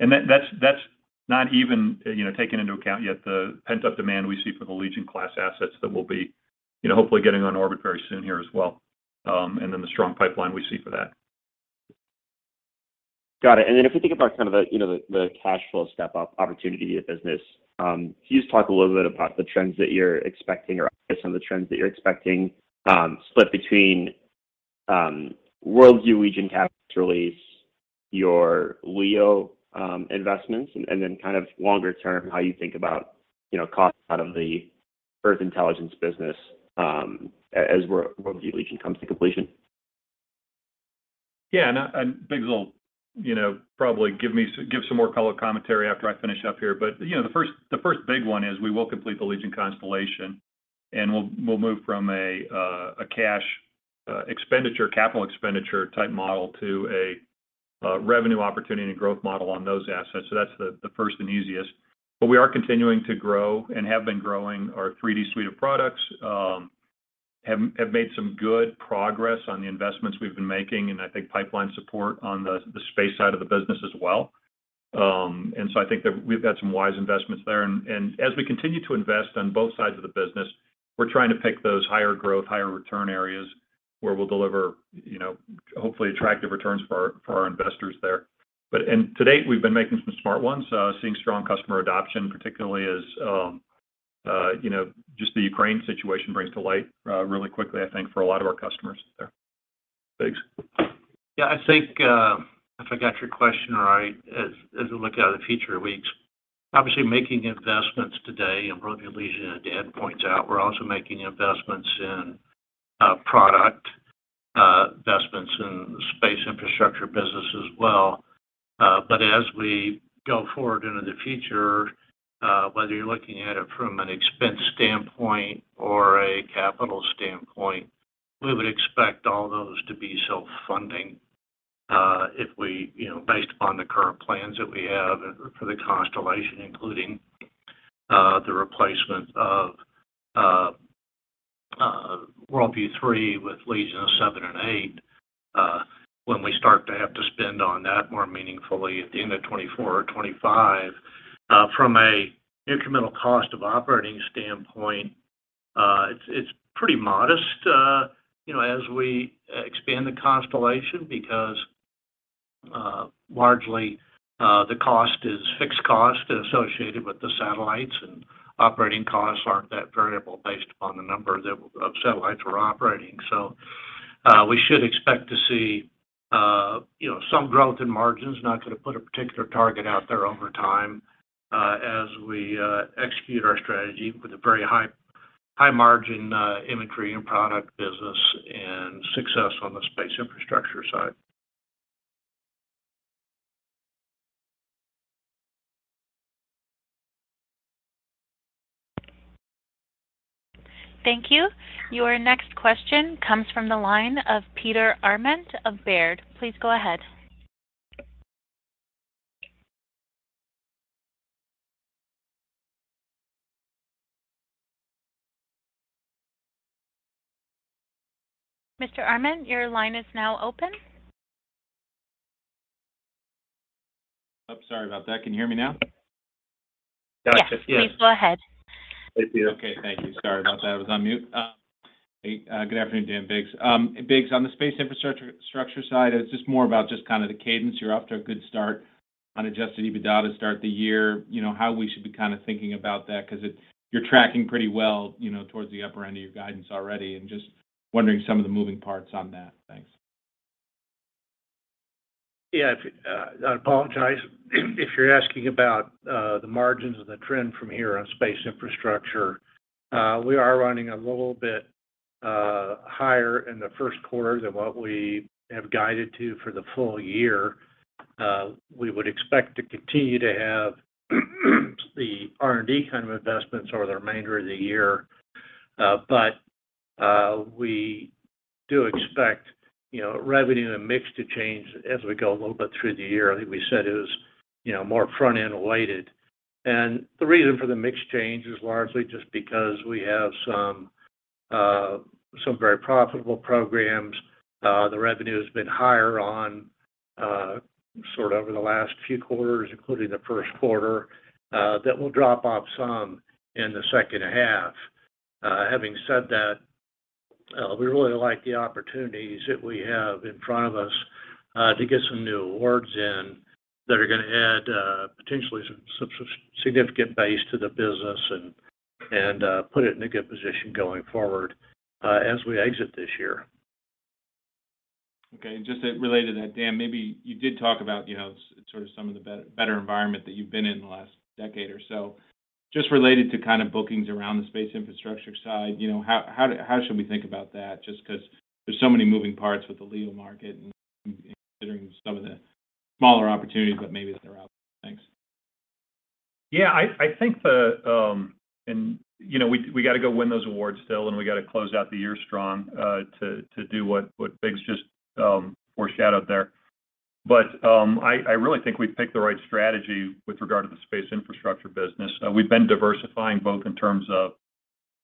That's not even, you know, taking into account yet the pent-up demand we see for the Legion-class assets that we'll be, you know, hopefully getting on orbit very soon here as well, and then the strong pipeline we see for that. Got it. If we think about kind of the cash flow step up opportunity of the business, can you just talk a little bit about the trends that you're expecting, split between WorldView Legion CapEx release, your LEO investments, and then kind of longer term, how you think about cost out of the Earth Intelligence business, as WorldView Legion comes to completion? Biggs will, you know, probably give some more color commentary after I finish up here. The first big one is we will complete the Legion constellation, and we'll move from a cash expenditure, capital expenditure type model to a revenue opportunity and growth model on those assets. That's the first and easiest. We are continuing to grow and have been growing our 3D suite of products. We have made some good progress on the investments we've been making, and I think pipeline support on the space side of the business as well. I think that we've had some wise investments there. As we continue to invest on both sides of the business, we're trying to pick those higher growth, higher return areas where we'll deliver, you know, hopefully attractive returns for our investors there. To date, we've been making some smart ones, seeing strong customer adoption, particularly as, you know, just the Ukraine situation brings to light, really quickly, I think, for a lot of our customers there. Biggs. Yeah, I think if I got your question right, as we look out at the future weeks, obviously making investments today in WorldView Legion that Dan points out, we're also making investments in products, investments in Space Infrastructure business as well. As we go forward into the future, whether you're looking at it from an expense standpoint or a capital standpoint, we would expect all those to be self-funding, you know, based upon the current plans that we have for the constellation, including the replacement of WorldView-3 with Legion 7 and 8, when we start to have to spend on that more meaningfully at the end of 2024 or 2025. From an incremental cost of operating standpoint, it's pretty modest, you know, as we expand the constellation, because largely the cost is fixed cost associated with the satellites, and operating costs aren't that variable based upon the number of satellites we're operating. We should expect to see, you know, some growth in margins. Not gonna put a particular target out there over time, as we execute our strategy with a very high margin imagery and product business and success on the Space Infrastructure side. Thank you. Your next question comes from the line of Peter Arment of Baird. Please go ahead. Mr. Arment, your line is now open. Oh, sorry about that. Can you hear me now? Gotcha. Yes. Yes. Please go ahead. Hey, Peter. Okay. Thank you. Sorry about that. I was on mute. Hey, good afternoon, Dan, Biggs. Biggs, on the Space Infrastructure side, it's just more about just kind of the cadence. You're off to a good start on adjusted EBITDA to start the year. You know, how we should be kind of thinking about that 'cause you're tracking pretty well, you know, towards the upper end of your guidance already and just wondering some of the moving parts on that. Thanks. Yeah. I apologize. If you're asking about the margins and the trend from here on Space Infrastructure, we are running a little bit higher in the first quarter than what we have guided to for the full year. We would expect to continue to have the R&D kind of investments over the remainder of the year. But we do expect, you know, revenue and the mix to change as we go a little bit through the year. I think we said it was, you know, more front-end weighted. The reason for the mix change is largely just because we have some very profitable programs. The revenue has been higher on sort of over the last few quarters, including the first quarter, that will drop off some in the second half. Having said that, we really like the opportunities that we have in front of us, to get some new awards in that are gonna add, potentially some significant base to the business and put it in a good position going forward, as we exit this year. Okay. Just related to that, Dan, maybe you did talk about, you know, sort of some of the better environment that you've been in the last decade or so. Just related to kind of bookings around the Space Infrastructure side, you know, how should we think about that just 'cause there's so many moving parts with the LEO market and considering some of the smaller opportunities that maybe that are out there? Thanks. Yeah. I think you know, we gotta go win those awards still, and we gotta close out the year strong, to do what Biggs just foreshadowed there. I really think we've picked the right strategy with regard to the Space Infrastructure business. We've been diversifying both in terms of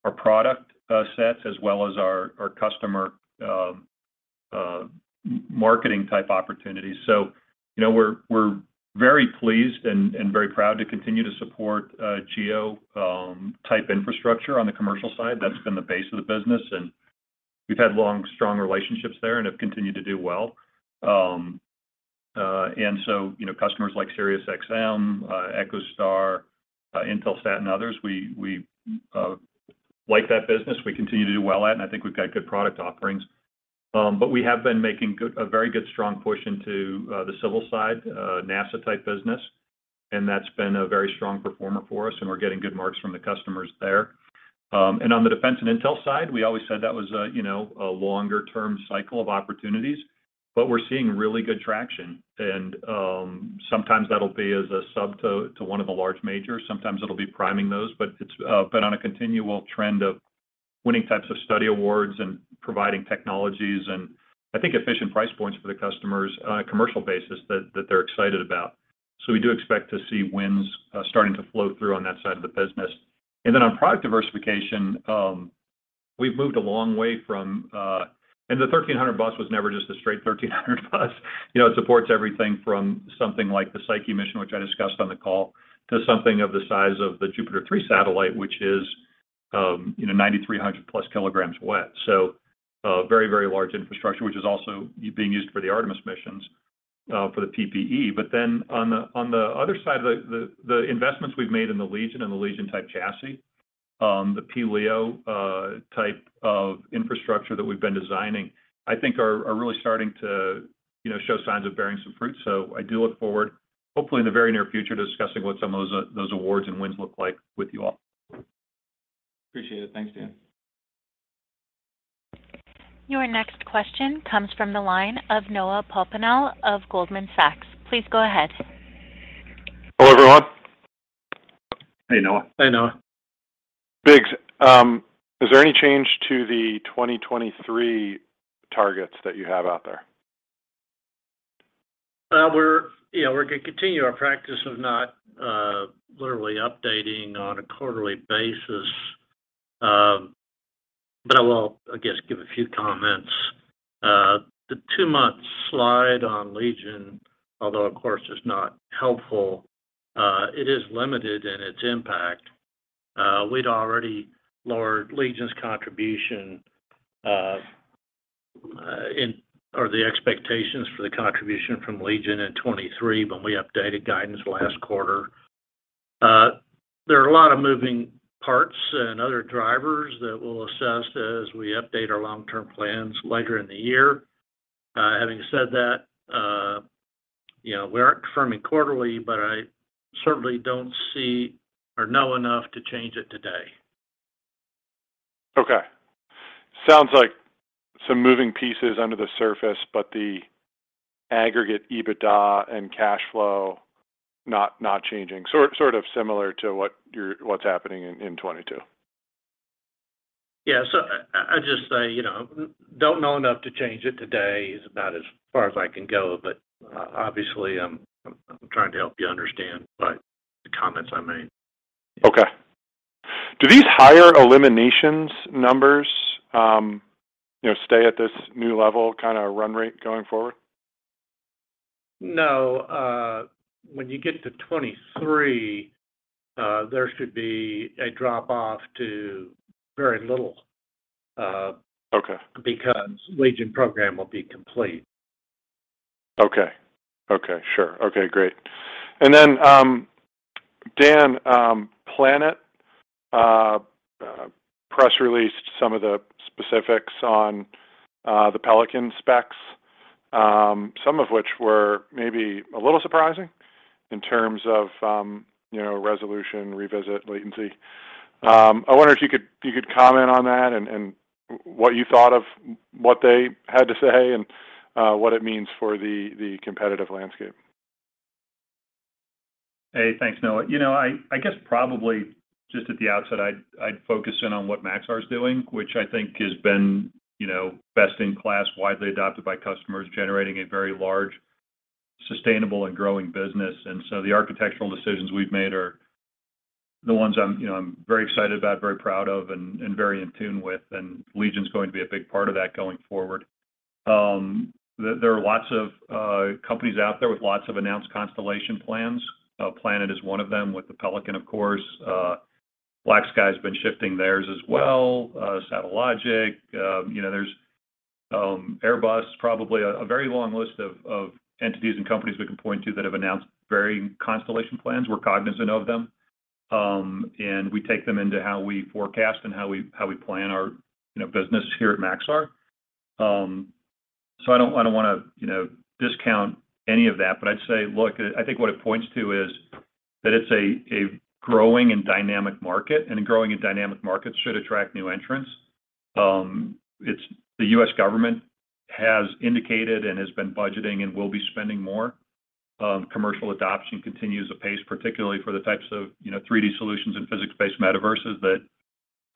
our product sets as well as our customer marketing type opportunities. You know, we're very pleased and very proud to continue to support GEO type infrastructure on the commercial side. That's been the base of the business, and we've had long, strong relationships there and have continued to do well. You know, customers like Sirius XM, EchoStar, Intelsat and others, we like that business. We continue to do well at, and I think we've got good product offerings. But we have been making a very good strong push into the civil side, NASA type business, and that's been a very strong performer for us, and we're getting good marks from the customers there. On the defense and intel side, we always said that was a, you know, a longer-term cycle of opportunities, but we're seeing really good traction. Sometimes that'll be as a sub to one of the large majors. Sometimes it'll be priming those. It's been on a continual trend of winning types of study awards and providing technologies and, I think, efficient price points for the customers on a commercial basis that they're excited about. We do expect to see wins starting to flow through on that side of the business. On product diversification, we've moved a long way from. The 1300 bus was never just a straight 1300 bus. You know, it supports everything from something like the Psyche mission, which I discussed on the call, to something of the size of the JUPITER 3 satellite, which is, you know, 9,300+ kg weight. A very, very large infrastructure, which is also being used for the Artemis missions for the PPE. On the other side of the investments we've made in the Legion and the Legion type chassis, the pLEO type of infrastructure that we've been designing, I think are really starting to, you know, show signs of bearing some fruit. I do look forward, hopefully in the very near future, discussing what some of those awards and wins look like with you all. Appreciate it. Thanks, Dan. Your next question comes from the line of Noah Poponak of Goldman Sachs. Please go ahead. Hello, everyone. Hey, Noah. Hey, Noah. Biggs, is there any change to the 2023 targets that you have out there? We're, you know, gonna continue our practice of not literally updating on a quarterly basis. I will, I guess, give a few comments. The two-month slide on Legion, although of course it's not helpful, it is limited in its impact. We'd already lowered Legion's contribution or the expectations for the contribution from Legion in 2023 when we updated guidance last quarter. There are a lot of moving parts and other drivers that we'll assess as we update our long-term plans later in the year. Having said that, you know, we aren't confirming quarterly, but I certainly don't see or know enough to change it today. Okay. Sounds like some moving pieces under the surface, but the aggregate EBITDA and cash flow not changing. Sort of similar to what's happening in 2022. Yeah. I'd just say, you know, I don't know enough to change it today. Today is about as far as I can go. Obviously, I'm trying to help you understand by the comments I made. Okay. Do these higher eliminations numbers, you know, stay at this new level, kind of run rate going forward? No. When you get to 2023, there should be a drop off to very little. Okay. Because Legion program will be complete. Okay. Sure. Okay, great. Dan, Planet press released some of the specifics on the Pelican specs, some of which were maybe a little surprising in terms of you know, resolution, revisit, latency. I wonder if you could comment on that and what you thought of what they had to say and what it means for the competitive landscape. Hey. Thanks, Noah. You know, I guess probably just at the outset, I'd focus in on what Maxar is doing, which I think has been, you know, best in class, widely adopted by customers, generating a very large, sustainable and growing business. The architectural decisions we've made are the ones I'm you know very excited about, very proud of, and very in tune with. Legion's going to be a big part of that going forward. There are lots of companies out there with lots of announced constellation plans. Planet is one of them with the Pelican, of course. BlackSky has been shifting theirs as well. Satellogic, you know, there's Airbus, probably a very long list of entities and companies we can point to that have announced varying constellation plans. We're cognizant of them. We take them into how we forecast and how we plan our, you know, business here at Maxar. I don't wanna, you know, discount any of that. I'd say, look, I think what it points to is that it's a growing and dynamic market, and a growing and dynamic market should attract new entrants. It's the U.S. government has indicated and has been budgeting and will be spending more. Commercial adoption continues apace, particularly for the types of, you know, 3D solutions and physics-based metaverses that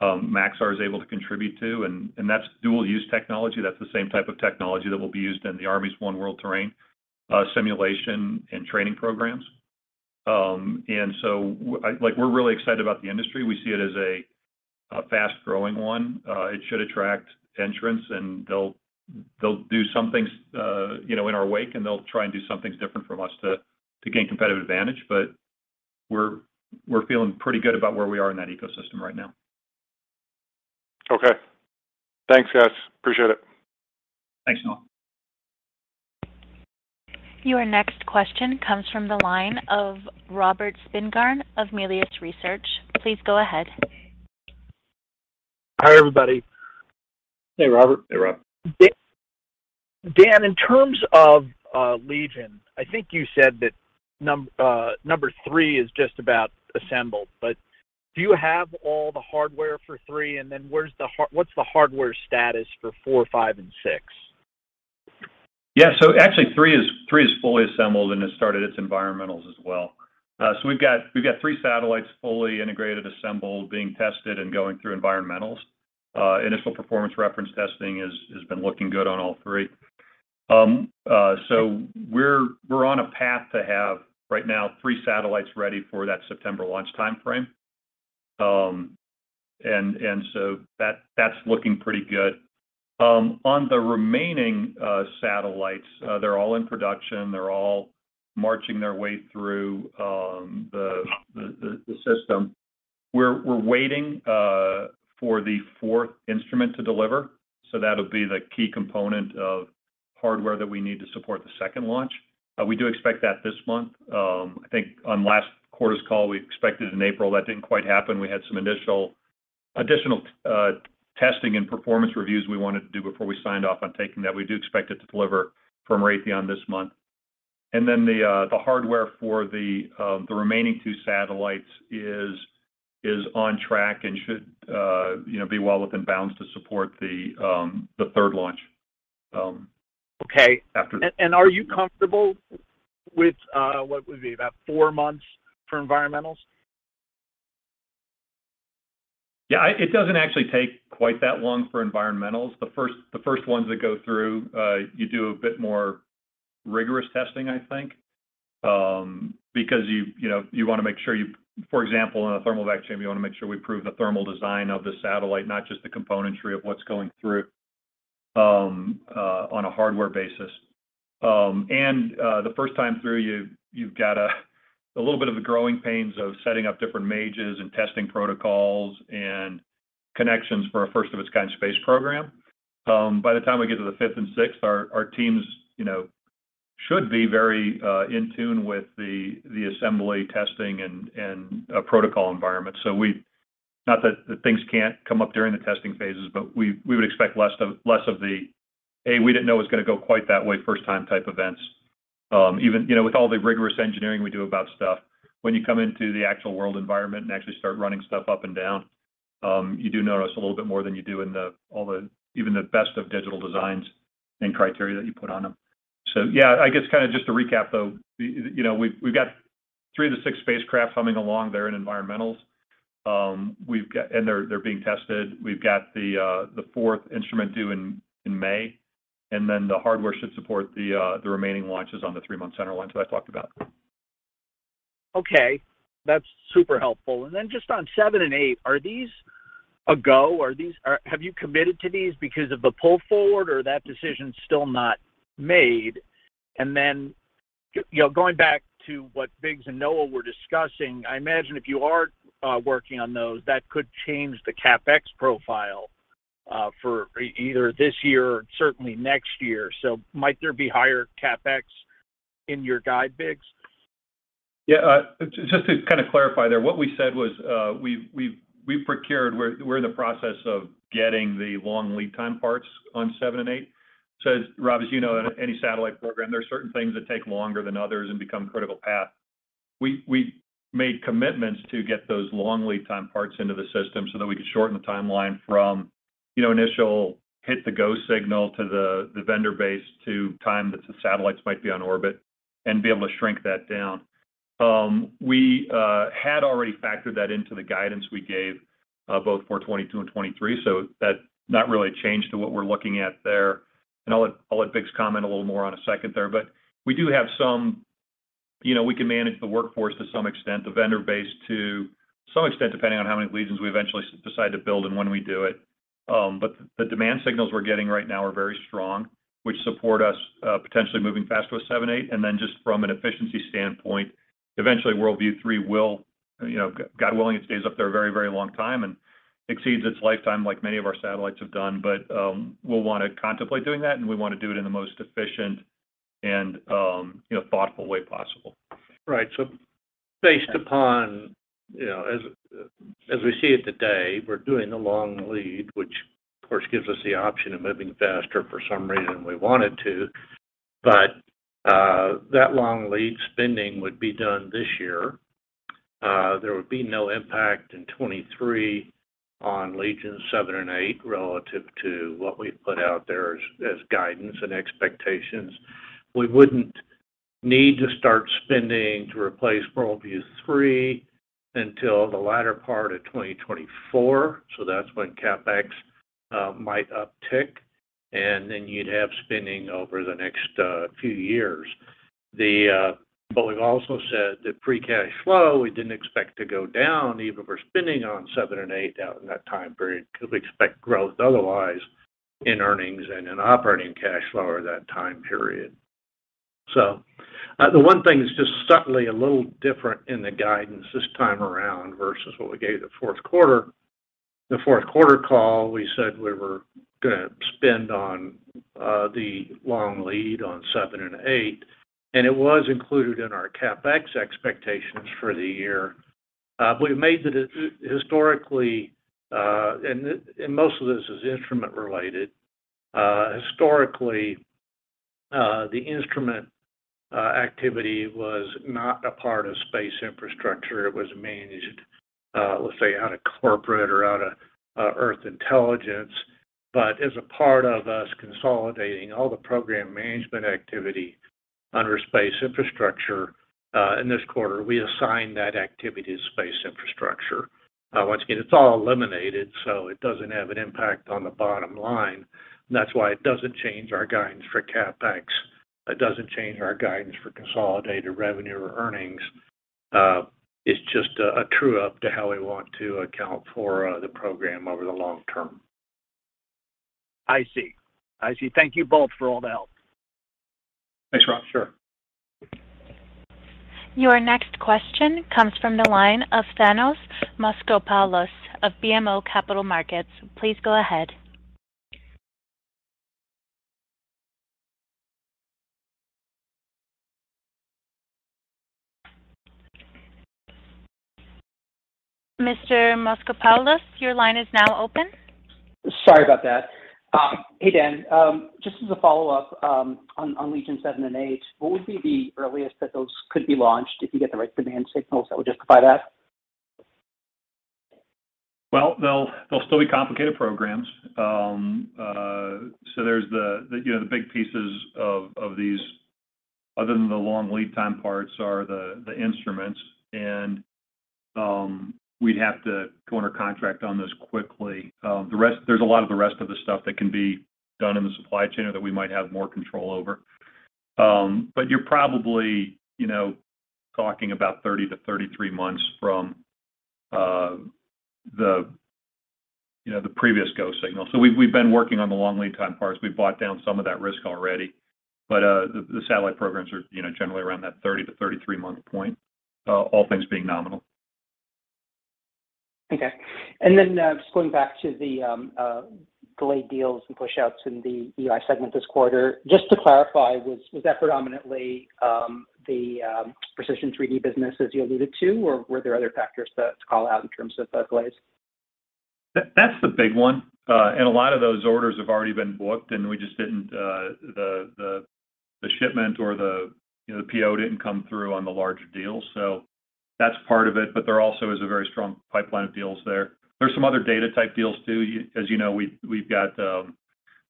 Maxar is able to contribute to. That's dual use technology. That's the same type of technology that will be used in the Army's One World Terrain simulation and training programs. Like, we're really excited about the industry. We see it as a fast growing one. It should attract entrants, and they'll do some things, you know, in our wake, and they'll try and do some things different from us to gain competitive advantage. We're feeling pretty good about where we are in that ecosystem right now. Okay. Thanks, guys. Appreciate it. Thanks, Noah. Your next question comes from the line of Robert Spingarn of Melius Research. Please go ahead. Hi, everybody. Hey, Robert. Hey, Rob. Dan, in terms of Legion, I think you said that number three is just about assembled, but do you have all the hardware for three? Then, what's the hardware status for four, five and six? Yeah. Actually, three is fully assembled, and it started its environmentals as well. We've got three satellites fully integrated, assembled, being tested, and going through environmentals. Initial performance reference testing has been looking good on all three. We're on a path to have, right now, three satellites ready for that September launch timeframe. And that is looking pretty good. On the remaining satellites, they're all in production, they're all marching their way through the system. We're waiting for the fourth instrument to deliver, so that'll be the key component of hardware that we need to support the second launch. We do expect that this month. I think on last quarter's call we expected in April. That didn't quite happen. We had some additional testing and performance reviews we wanted to do before we signed off on taking that. We do expect it to deliver from Raytheon this month. Then the hardware for the remaining two satellites is on track, and should, you know, be well within bounds to support the third launch. Okay. After- Are you comfortable with what would be about four months for environmentals? Yeah. It doesn't actually take quite that long for environmentals. The first ones that go through, you do a bit more rigorous testing, I think, because you know, you wanna make sure. For example, in a thermal vacuum, you wanna make sure we prove the thermal design of the satellite, not just the componentry of what's going through on a hardware basis. The first time through you've got a little bit of the growing pains of setting up different stages and testing protocols and connections for a first of its kind space program. By the time we get to the fifth and sixth, our teams, you know, should be very in tune with the assembly testing and protocol environment. Not that things can't come up during the testing phases, but we would expect less of the, "we didn't know it was gonna go quite that way," first time type events. Even, you know, with all the rigorous engineering we do about stuff, when you come into the actual world environment and actually start running stuff up and down, you do notice a little bit more than you do in all the even the best of digital designs and criteria that you put on them. Yeah, I guess kind of just to recap though, you know, we've got three of the six spacecraft humming along. They're in environmentals. They're being tested. We've got the fourth instrument due in May, and then the hardware should support the remaining launches on the three-month cadence launch that I talked about. Okay. That's super helpful. Then just on 7 and 8, are these a go? Have you committed to these because of the pull forward, or is that decision still not made? You know, going back to what Biggs and Noah were discussing, I imagine if you are working on those, that could change the CapEx profile for either this year or certainly next year. Might there be higher CapEx in your guide, Biggs? Just to kind of clarify there, what we said was we've procured. We're in the process of getting the long lead time parts on 7 and 8. Rob, as you know, in any satellite program, there are certain things that take longer than others and become critical path. We made commitments to get those long lead time parts into the system so that we could shorten the timeline from, you know, initial hit the go signal to the vendor base to time that the satellites might be on orbit and be able to shrink that down. We had already factored that into the guidance we gave both for 2022 and 2023, so that's not really a change to what we're looking at there. I'll let Biggs comment a little more in a second there. We do have some, you know, we can manage the workforce to some extent, the vendor base to some extent, depending on how many Legion we eventually decide to build and when we do it. The demand signals we're getting right now are very strong, which support us potentially moving faster with 7, 8. Then just from an efficiency standpoint, eventually WorldView-3 will, you know, God willing, it stays up there a very, very long time and exceeds its lifetime like many of our satellites have done. We'll want to contemplate doing that, and we want to do it in the most efficient and, you know, thoughtful way possible. Right. Based upon, you know, as we see it today, we're doing the long lead, which of course gives us the option of moving faster for some reason we wanted to. That long lead spending would be done this year. There would be no impact in 2023 on Legion 7 and 8 relative to what we've put out there as guidance and expectations. We wouldn't need to start spending to replace WorldView-3 until the latter part of 2024, so that's when CapEx might uptick, and then you'd have spending over the next few years. We've also said that free cash flow, we didn't expect to go down even if we're spending on 7 and 8 out in that time period because we expect growth otherwise in earnings and in operating cash flow over that time period. The one thing that's just subtly a little different in the guidance this time around versus what we gave the fourth quarter call, we said we were gonna spend on the long lead on 7 and 8, and it was included in our CapEx expectations for the year. Historically, and most of this is instrument related. Historically, the instrument activity was not a part of Space Infrastructure. It was managed, let's say out of corporate or out of Earth Intelligence. As a part of us consolidating all the program management activity under Space Infrastructure, in this quarter, we assigned that activity to Space Infrastructure. Once again, it's all eliminated, so it doesn't have an impact on the bottom line. That's why it doesn't change our guidance for CapEx. It doesn't change our guidance for consolidated revenue or earnings. It's just a true up to how we want to account for the program over the long term. I see. Thank you both for all the help. Thanks, Rob. Sure. Your next question comes from the line of Thanos Moschopoulos of BMO Capital Markets. Please go ahead. Mr. Moschopoulos, your line is now open. Sorry about that. Hey, Dan. Just as a follow-up, on Legion 7 and 8, what would be the earliest that those could be launched if you get the right demand signals that would justify that? Well, they'll still be complicated programs. There's you know the big pieces of these other than the long lead time parts are the instruments, and we'd have to go under contract on those quickly. The rest. There's a lot of the rest of the stuff that can be done in the supply chain or that we might have more control over. But you're probably you know talking about 30 to 33 months from the you know the previous go signal. We've been working on the long lead time parts. We've bought down some of that risk already, but the satellite programs are you know generally around that 30 to 33 month point, all things being nominal. Okay. Just going back to the delayed deals and pushouts in the EI segment this quarter, just to clarify, was that predominantly the Precision3D business as you alluded to, or were there other factors to call out in terms of the delays? That's the big one. A lot of those orders have already been booked, and the shipment or, you know, the PO didn't come through on the larger deals, so that's part of it. There also is a very strong pipeline of deals there. There's some other data type deals too. As you know, we've got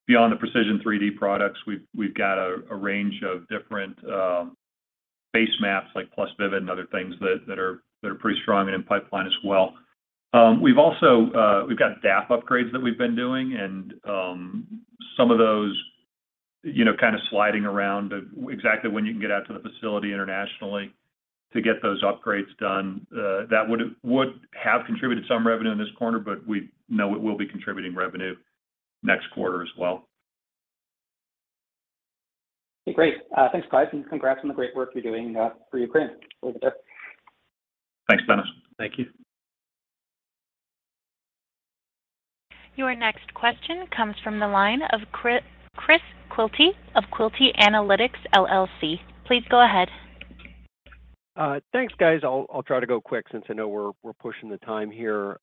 beyond the Precision3D products, we've got a range of different base maps like Vivid and other things that are pretty strong and in pipeline as well. We've also got DAP upgrades that we've been doing and, some of those, you know, kind of sliding around exactly when you can get out to the facility internationally to get those upgrades done. That would have contributed some revenue in this quarter, but we know it will be contributing revenue next quarter as well. Okay, great. Thanks, guys, and congrats on the great work you're doing for Ukraine. Over and out. Thanks, Thanos. Thank you. Your next question comes from the line of Chris Quilty of Quilty Analytics LLC. Please go ahead. Thanks, guys. I'll try to go quick since I know we're pushing the time here.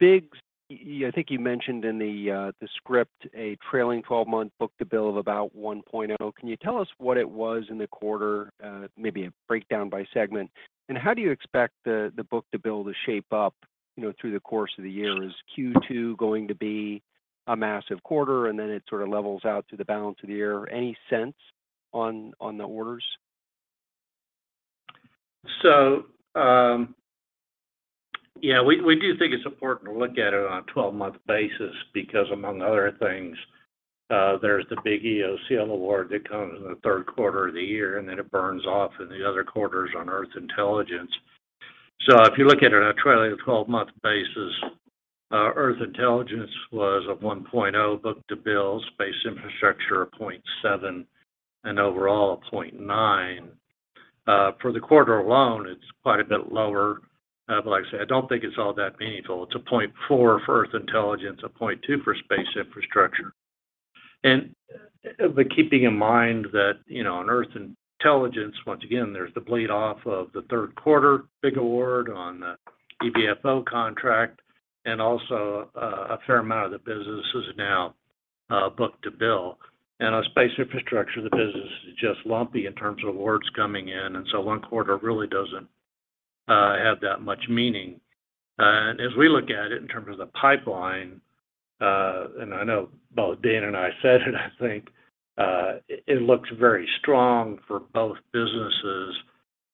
Biggs, I think you mentioned in the script a trailing 12-month book-to-bill of about 1.0. Can you tell us what it was in the quarter, maybe a breakdown by segment? And how do you expect the book-to-bill to shape up, you know, through the course of the year? Is Q2 going to be a massive quarter, and then it sort of levels out through the balance of the year? Any sense on the orders? Yeah, we do think it's important to look at it on a twelve-month basis because among other things, there's the big EOCL award that comes in the third quarter of the year, and then it burns off in the other quarters on Earth Intelligence. If you look at it on a trailing 12-month basis, Earth Intelligence was a 1.0 book-to-bill, Space Infrastructure a 0.7, and overall a 0.9. For the quarter alone, it's quite a bit lower, but like I said, I don't think it's all that meaningful. It's a 0.4 for Earth Intelligence, a 0.2 for Space Infrastructure. Keeping in mind that, you know, on Earth Intelligence, once again, there's the bleed off of the third quarter big award on the EVFO contract and also, a fair amount of the business is now, book-to-bill. On Space Infrastructure, the business is just lumpy in terms of awards coming in, and so one quarter really doesn't have that much meaning. As we look at it in terms of the pipeline, and I know both Dan and I said it, I think, it looks very strong for both businesses,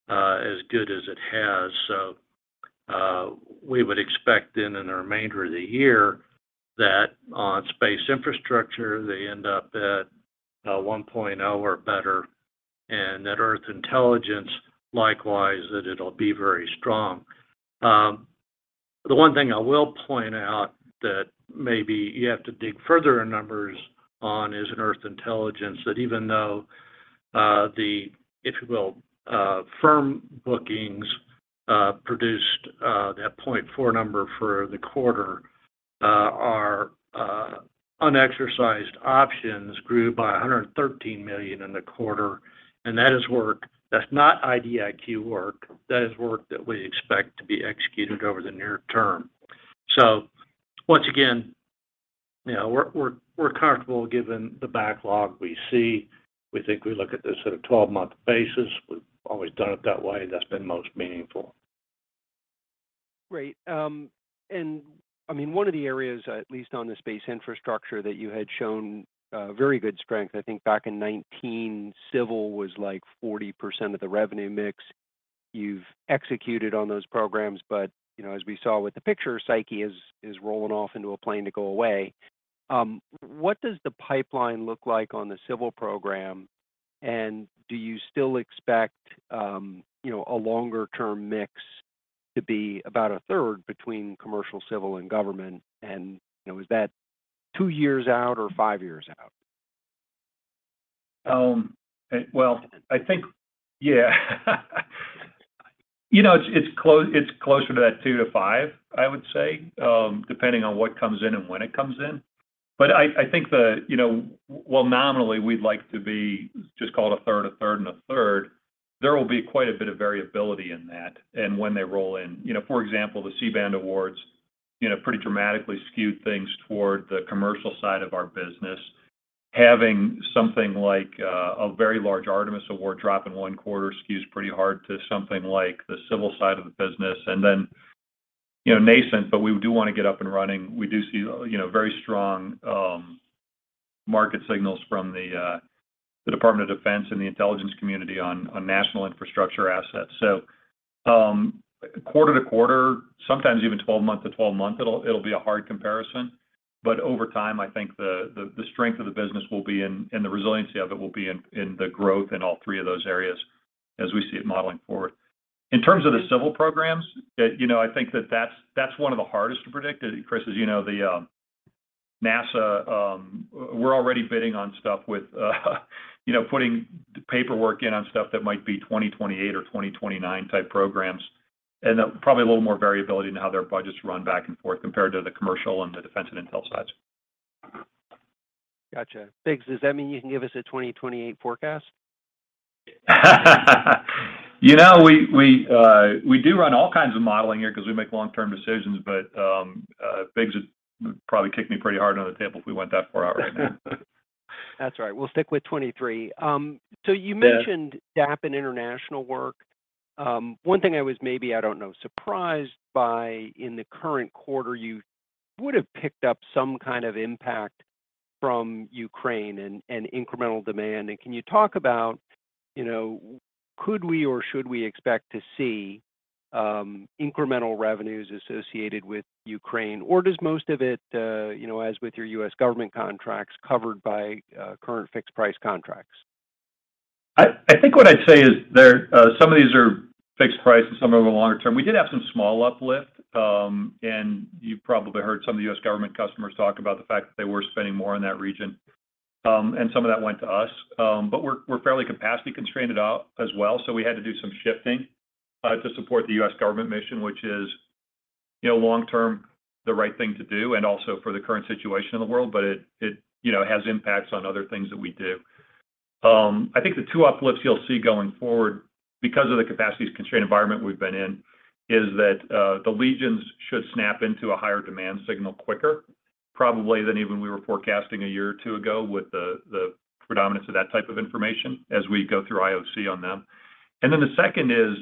as good as it has. We would expect then in the remainder of the year that on Space Infrastructure, they end up at, 1.0 or better, and that Earth Intelligence, likewise, that it'll be very strong. The one thing I will point out that maybe you have to dig further in numbers on is in Earth Intelligence, that even though the, if you will, firm bookings produced that 0.4 number for the quarter, our unexercised options grew by $113 million in the quarter. That is work that's not IDIQ work. That is work that we expect to be executed over the near term. Once again, you know, we're comfortable given the backlog we see. We think we look at this at a 12-month basis. We've always done it that way. That's been most meaningful. Great. I mean, one of the areas, at least on the Space Infrastructure, that you had shown very good strength, I think back in 2019 civil was, like, 40% of the revenue mix. You've executed on those programs. You know, as we saw with the picture, Psyche is rolling off into a plane to go away. What does the pipeline look like on the civil program? Do you still expect, you know, a longer term mix to be about a third between commercial, civil, and government? You know, is that two years out or five years out? Well, I think yeah. You know, it's closer to that two to five, I would say, depending on what comes in and when it comes in. I think, you know, while nominally we'd like to be just call it a third, a third, and a third, there will be quite a bit of variability in that and when they roll in. You know, for example, the C-band awards, you know, pretty dramatically skewed things toward the commercial side of our business. Having something like a very large Artemis award drop in one quarter skews pretty hard to something like the civil side of the business. Then, you know, nascent, but we do wanna get up and running. We do see, you know, very strong market signals from the Department of Defense and the intelligence community on national infrastructure assets. Quarter to quarter, sometimes even 12-month to 12-month, it'll be a hard comparison. But over time, I think the strength of the business will be in, and the resiliency of it will be in the growth in all three of those areas as we see it modeling forward. In terms of the civil programs, you know, I think that's one of the hardest to predict. Chris Quilty, as you know, NASA, we're already bidding on stuff with, you know, putting the paperwork in on stuff that might be 2028 or 2029 type programs. Probably a little more variability in how their budgets run back and forth compared to the commercial and the defense and intel sides. Gotcha. Biggs, does that mean you can give us a 2028 forecast? You know, we do run all kinds of modeling here because we make long-term decisions. Biggs would probably kick me pretty hard under the table if we went that far out right now. That's right. We'll stick with 23. You mentioned. Yeah. DAP and international work. One thing I was maybe, I don't know, surprised by in the current quarter, you would've picked up some kind of impact from Ukraine and incremental demand. Can you talk about, you know, could we or should we expect to see incremental revenues associated with Ukraine? Or does most of it, you know, as with your U.S. government contracts, covered by current fixed price contracts? I think what I'd say is there are some of these are fixed price and some are over the longer term. We did have some small uplift, and you've probably heard some of the U.S. government customers talk about the fact that they were spending more in that region. Some of that went to us. We're fairly capacity constrained out as well, so we had to do some shifting to support the U.S. government mission, which is, you know, long-term the right thing to do and also for the current situation in the world. It, you know, has impacts on other things that we do. I think the two uplifts you'll see going forward, because of the capacity-constrained environment we've been in, is that the Legion should snap into a higher demand signal quicker probably than even we were forecasting a year or two ago with the predominance of that type of information as we go through IOC on them. Then the second is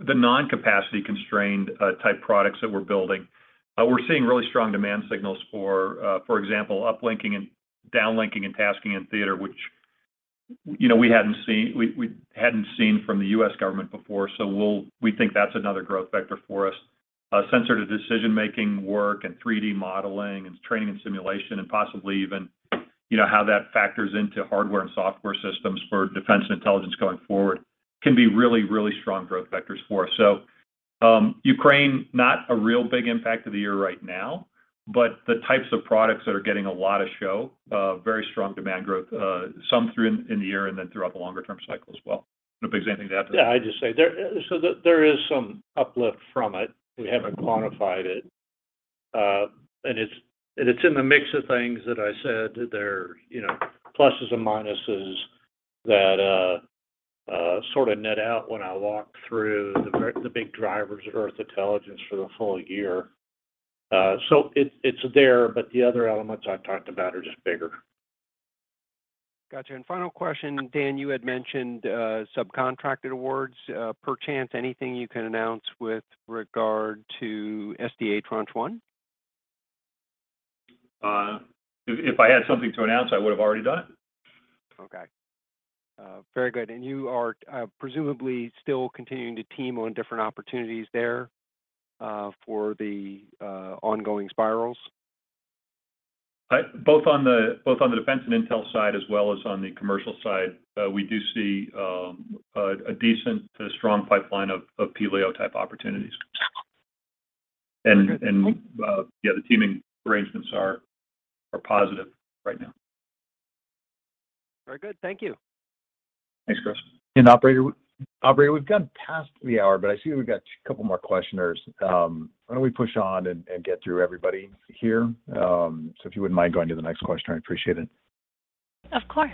the non-capacity-constrained type products that we're building. We're seeing really strong demand signals for example, uplinking and downlinking and tasking in theater, which, you know, we hadn't seen from the US government before. We think that's another growth vector for us. Sensor to decision-making work and 3D modeling and training and simulation and possibly even, you know, how that factors into hardware and software systems for defense and intelligence going forward can be really, really strong growth vectors for us. Ukraine, not a real big impact to the year right now, but the types of products that are getting a lot of show, very strong demand growth, some through in the year and then throughout the longer term cycle as well. Biggs, anything to add to that? Yeah, I'd just say there is some uplift from it. We haven't quantified it. It's in the mix of things that I said that there are, you know, pluses and minuses that sort of net out when I walk through the big drivers of Earth Intelligence for the full year. It's there, but the other elements I've talked about are just bigger. Gotcha. Final question, Dan, you had mentioned subcontracted awards. By any chance anything you can announce with regard to SDA Tranche 1? If I had something to announce, I would have already done it. Okay. Very good. You are, presumably still continuing to team on different opportunities there, for the ongoing spirals? Both on the defense and intel side as well as on the commercial side, we do see a decent to strong pipeline of pLEO type opportunities. Understood. Thank you. The teaming arrangements are positive right now. Very good. Thank you. Thanks, Chris. Operator, we've gone past the hour, but I see we've got a couple more questioners. Why don't we push on and get through everybody here. If you wouldn't mind going to the next question, I appreciate it. Of course.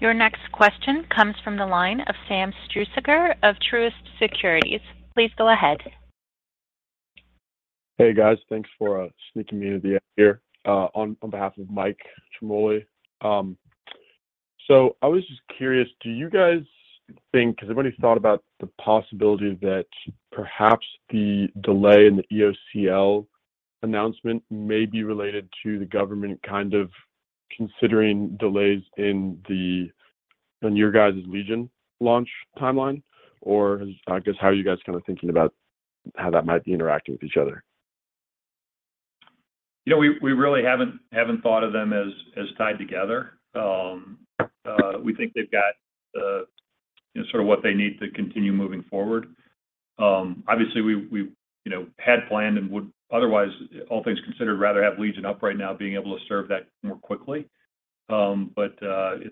Your next question comes from the line of Sam Struhsaker of Truist Securities. Please go ahead. Hey guys, thanks for sneaking me into the air here on behalf of Mike Ciarmoli. So I was just curious, do you guys think, has anybody thought about the possibility that perhaps the delay in the EOCL announcement may be related to the government kind of considering delays in the, in your guys' Legion launch timeline? Or has, I guess, how are you guys kinda thinking about how that might be interacting with each other? You know, we really haven't thought of them as tied together. We think they've got, you know, sort of what they need to continue moving forward. Obviously we, you know, had planned and would otherwise, all things considered, rather have Legion up right now, being able to serve that more quickly. It's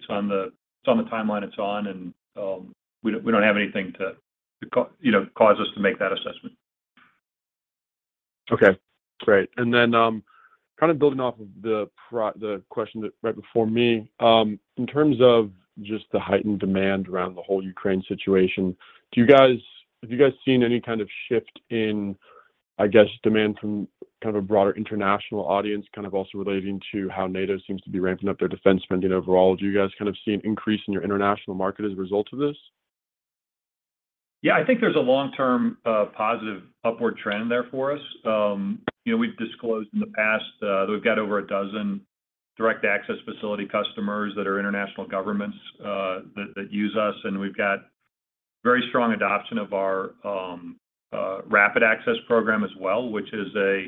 on the timeline it's on, and we don't have anything to, you know, cause us to make that assessment. Okay, great. Kind of building off of the question that right before me, in terms of just the heightened demand around the whole Ukraine situation, have you guys seen any kind of shift in, I guess, demand from kind of a broader international audience, kind of also relating to how NATO seems to be ramping up their defense spending overall? Do you guys kind of see an increase in your international market as a result of this? Yeah. I think there's a long-term positive upward trend there for us. You know, we've disclosed in the past that we've got over a dozen direct access facility customers that are international governments that use us, and we've got very strong adoption of our rapid access program as well, which is a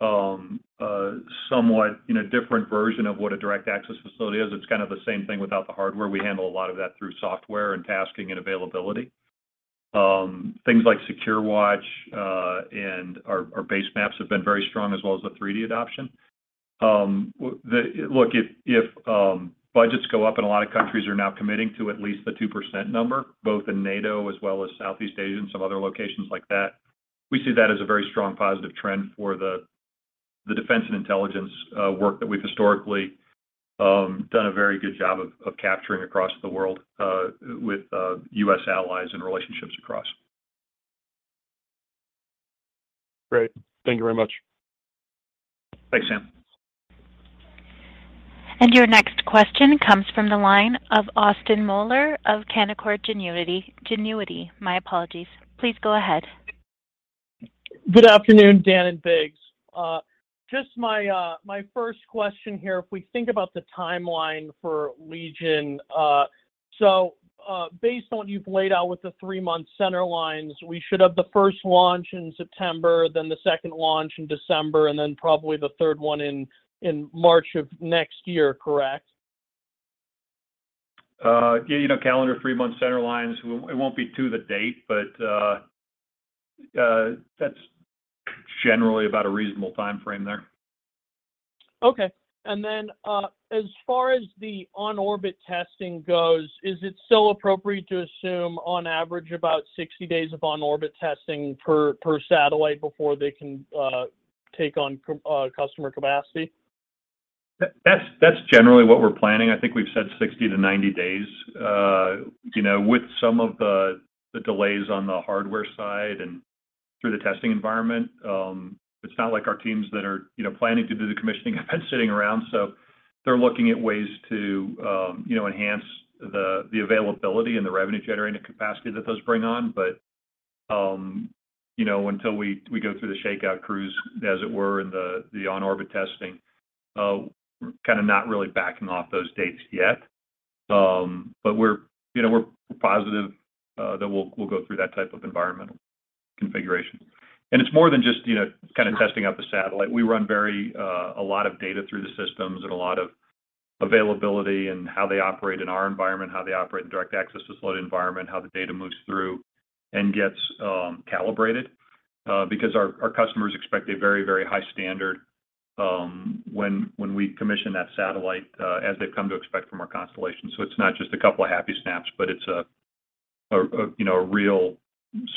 somewhat you know different version of what a direct access facility is. It's kind of the same thing without the hardware. We handle a lot of that through software and tasking and availability. Things like SecureWatch and our base maps have been very strong, as well as the 3D adoption. Look, if budgets go up and a lot of countries are now committing to at least the 2% number, both in NATO as well as Southeast Asia and some other locations like that, we see that as a very strong positive trend for the defense and intelligence work that we've historically done a very good job of capturing across the world with U.S. allies and relationships across. Great. Thank you very much. Thanks, Sam. Your next question comes from the line of Austin Moeller of Canaccord Genuity. My apologies. Please go ahead. Good afternoon, Dan and Biggs. Just my first question here, if we think about the timeline for Legion, based on what you've laid out with the three-month center lines, we should have the first launch in September, then the second launch in December, and then probably the third one in March of next year, correct? Yeah, you know, calendar three-month center lines. It won't be to the day, but that's generally about a reasonable timeframe there. Okay. As far as the on-orbit testing goes, is it still appropriate to assume on average about 60 days of on-orbit testing per satellite before they can take on customer capacity? That's generally what we're planning. I think we've said 60 to 90 days. You know, with some of the the delays on the hardware side and through the testing environment, it's not like our teams that are, you know, planning to do the commissioning have been sitting around. So they're looking at ways to, you know, enhance the the availability and the revenue-generating capacity that those bring on. But, you know, until we we go through the shakeout cruise, as it were, and the the on-orbit testing, we're kinda not really backing off those dates yet. But we're, you know, we're positive, that we'll we'll go through that type of environmental configuration. It's more than just, you know, kind of testing out the satellite. We run very a lot of data through the systems and a lot of availability and how they operate in our environment, how they operate in direct access to satellite environment, how the data moves through and gets calibrated. Because our customers expect a very high standard when we commission that satellite, as they've come to expect from our constellation. It's not just a couple of happy snaps, but it's, you know, a real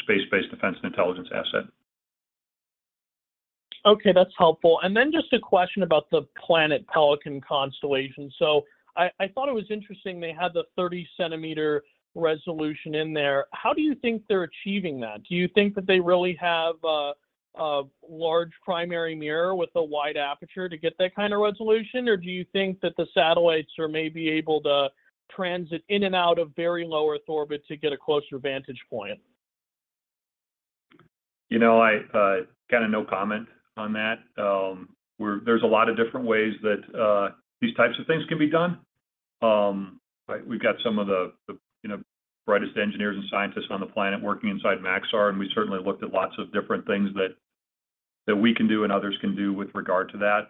space-based defense and intelligence asset. Okay, that's helpful. Just a question about the Planet Pelican constellation. I thought it was interesting they had the 30 cm resolution in there. How do you think they're achieving that? Do you think that they really have a large primary mirror with a wide aperture to get that kind of resolution? Or do you think that the satellites are maybe able to transit in and out of very low Earth orbit to get a closer vantage point? You know, I got a no comment on that. There's a lot of different ways that these types of things can be done. We've got some of the, you know, brightest engineers and scientists on the planet working inside Maxar, and we certainly looked at lots of different things that we can do and others can do with regard to that.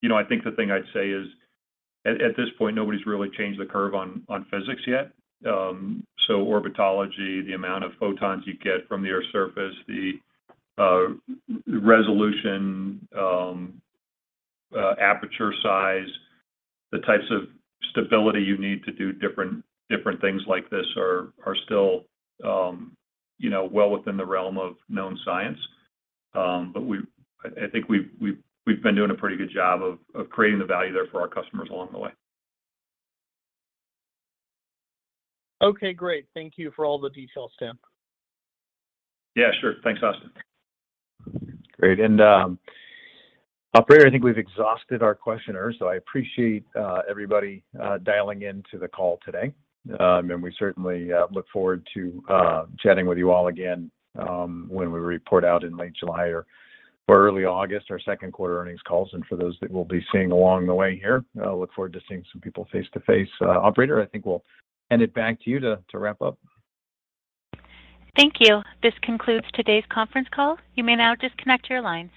You know, I think the thing I'd say is at this point, nobody's really changed the curve on physics yet. So orbitology, the amount of photons you get from the Earth's surface, the resolution, aperture size, the types of stability you need to do different things like this are still, you know, well within the realm of known science. I think we've been doing a pretty good job of creating the value there for our customers along the way. Okay, great. Thank you for all the details, Dan. Yeah, sure. Thanks, Austin. Great. Operator, I think we've exhausted our questioners, so I appreciate everybody dialing into the call today. We certainly look forward to chatting with you all again when we report out in late July or early August our second quarter earnings calls. For those that we'll be seeing along the way here, I look forward to seeing some people face-to-face. Operator, I think we'll hand it back to you to wrap up. Thank you. This concludes today's conference call. You may now disconnect your lines.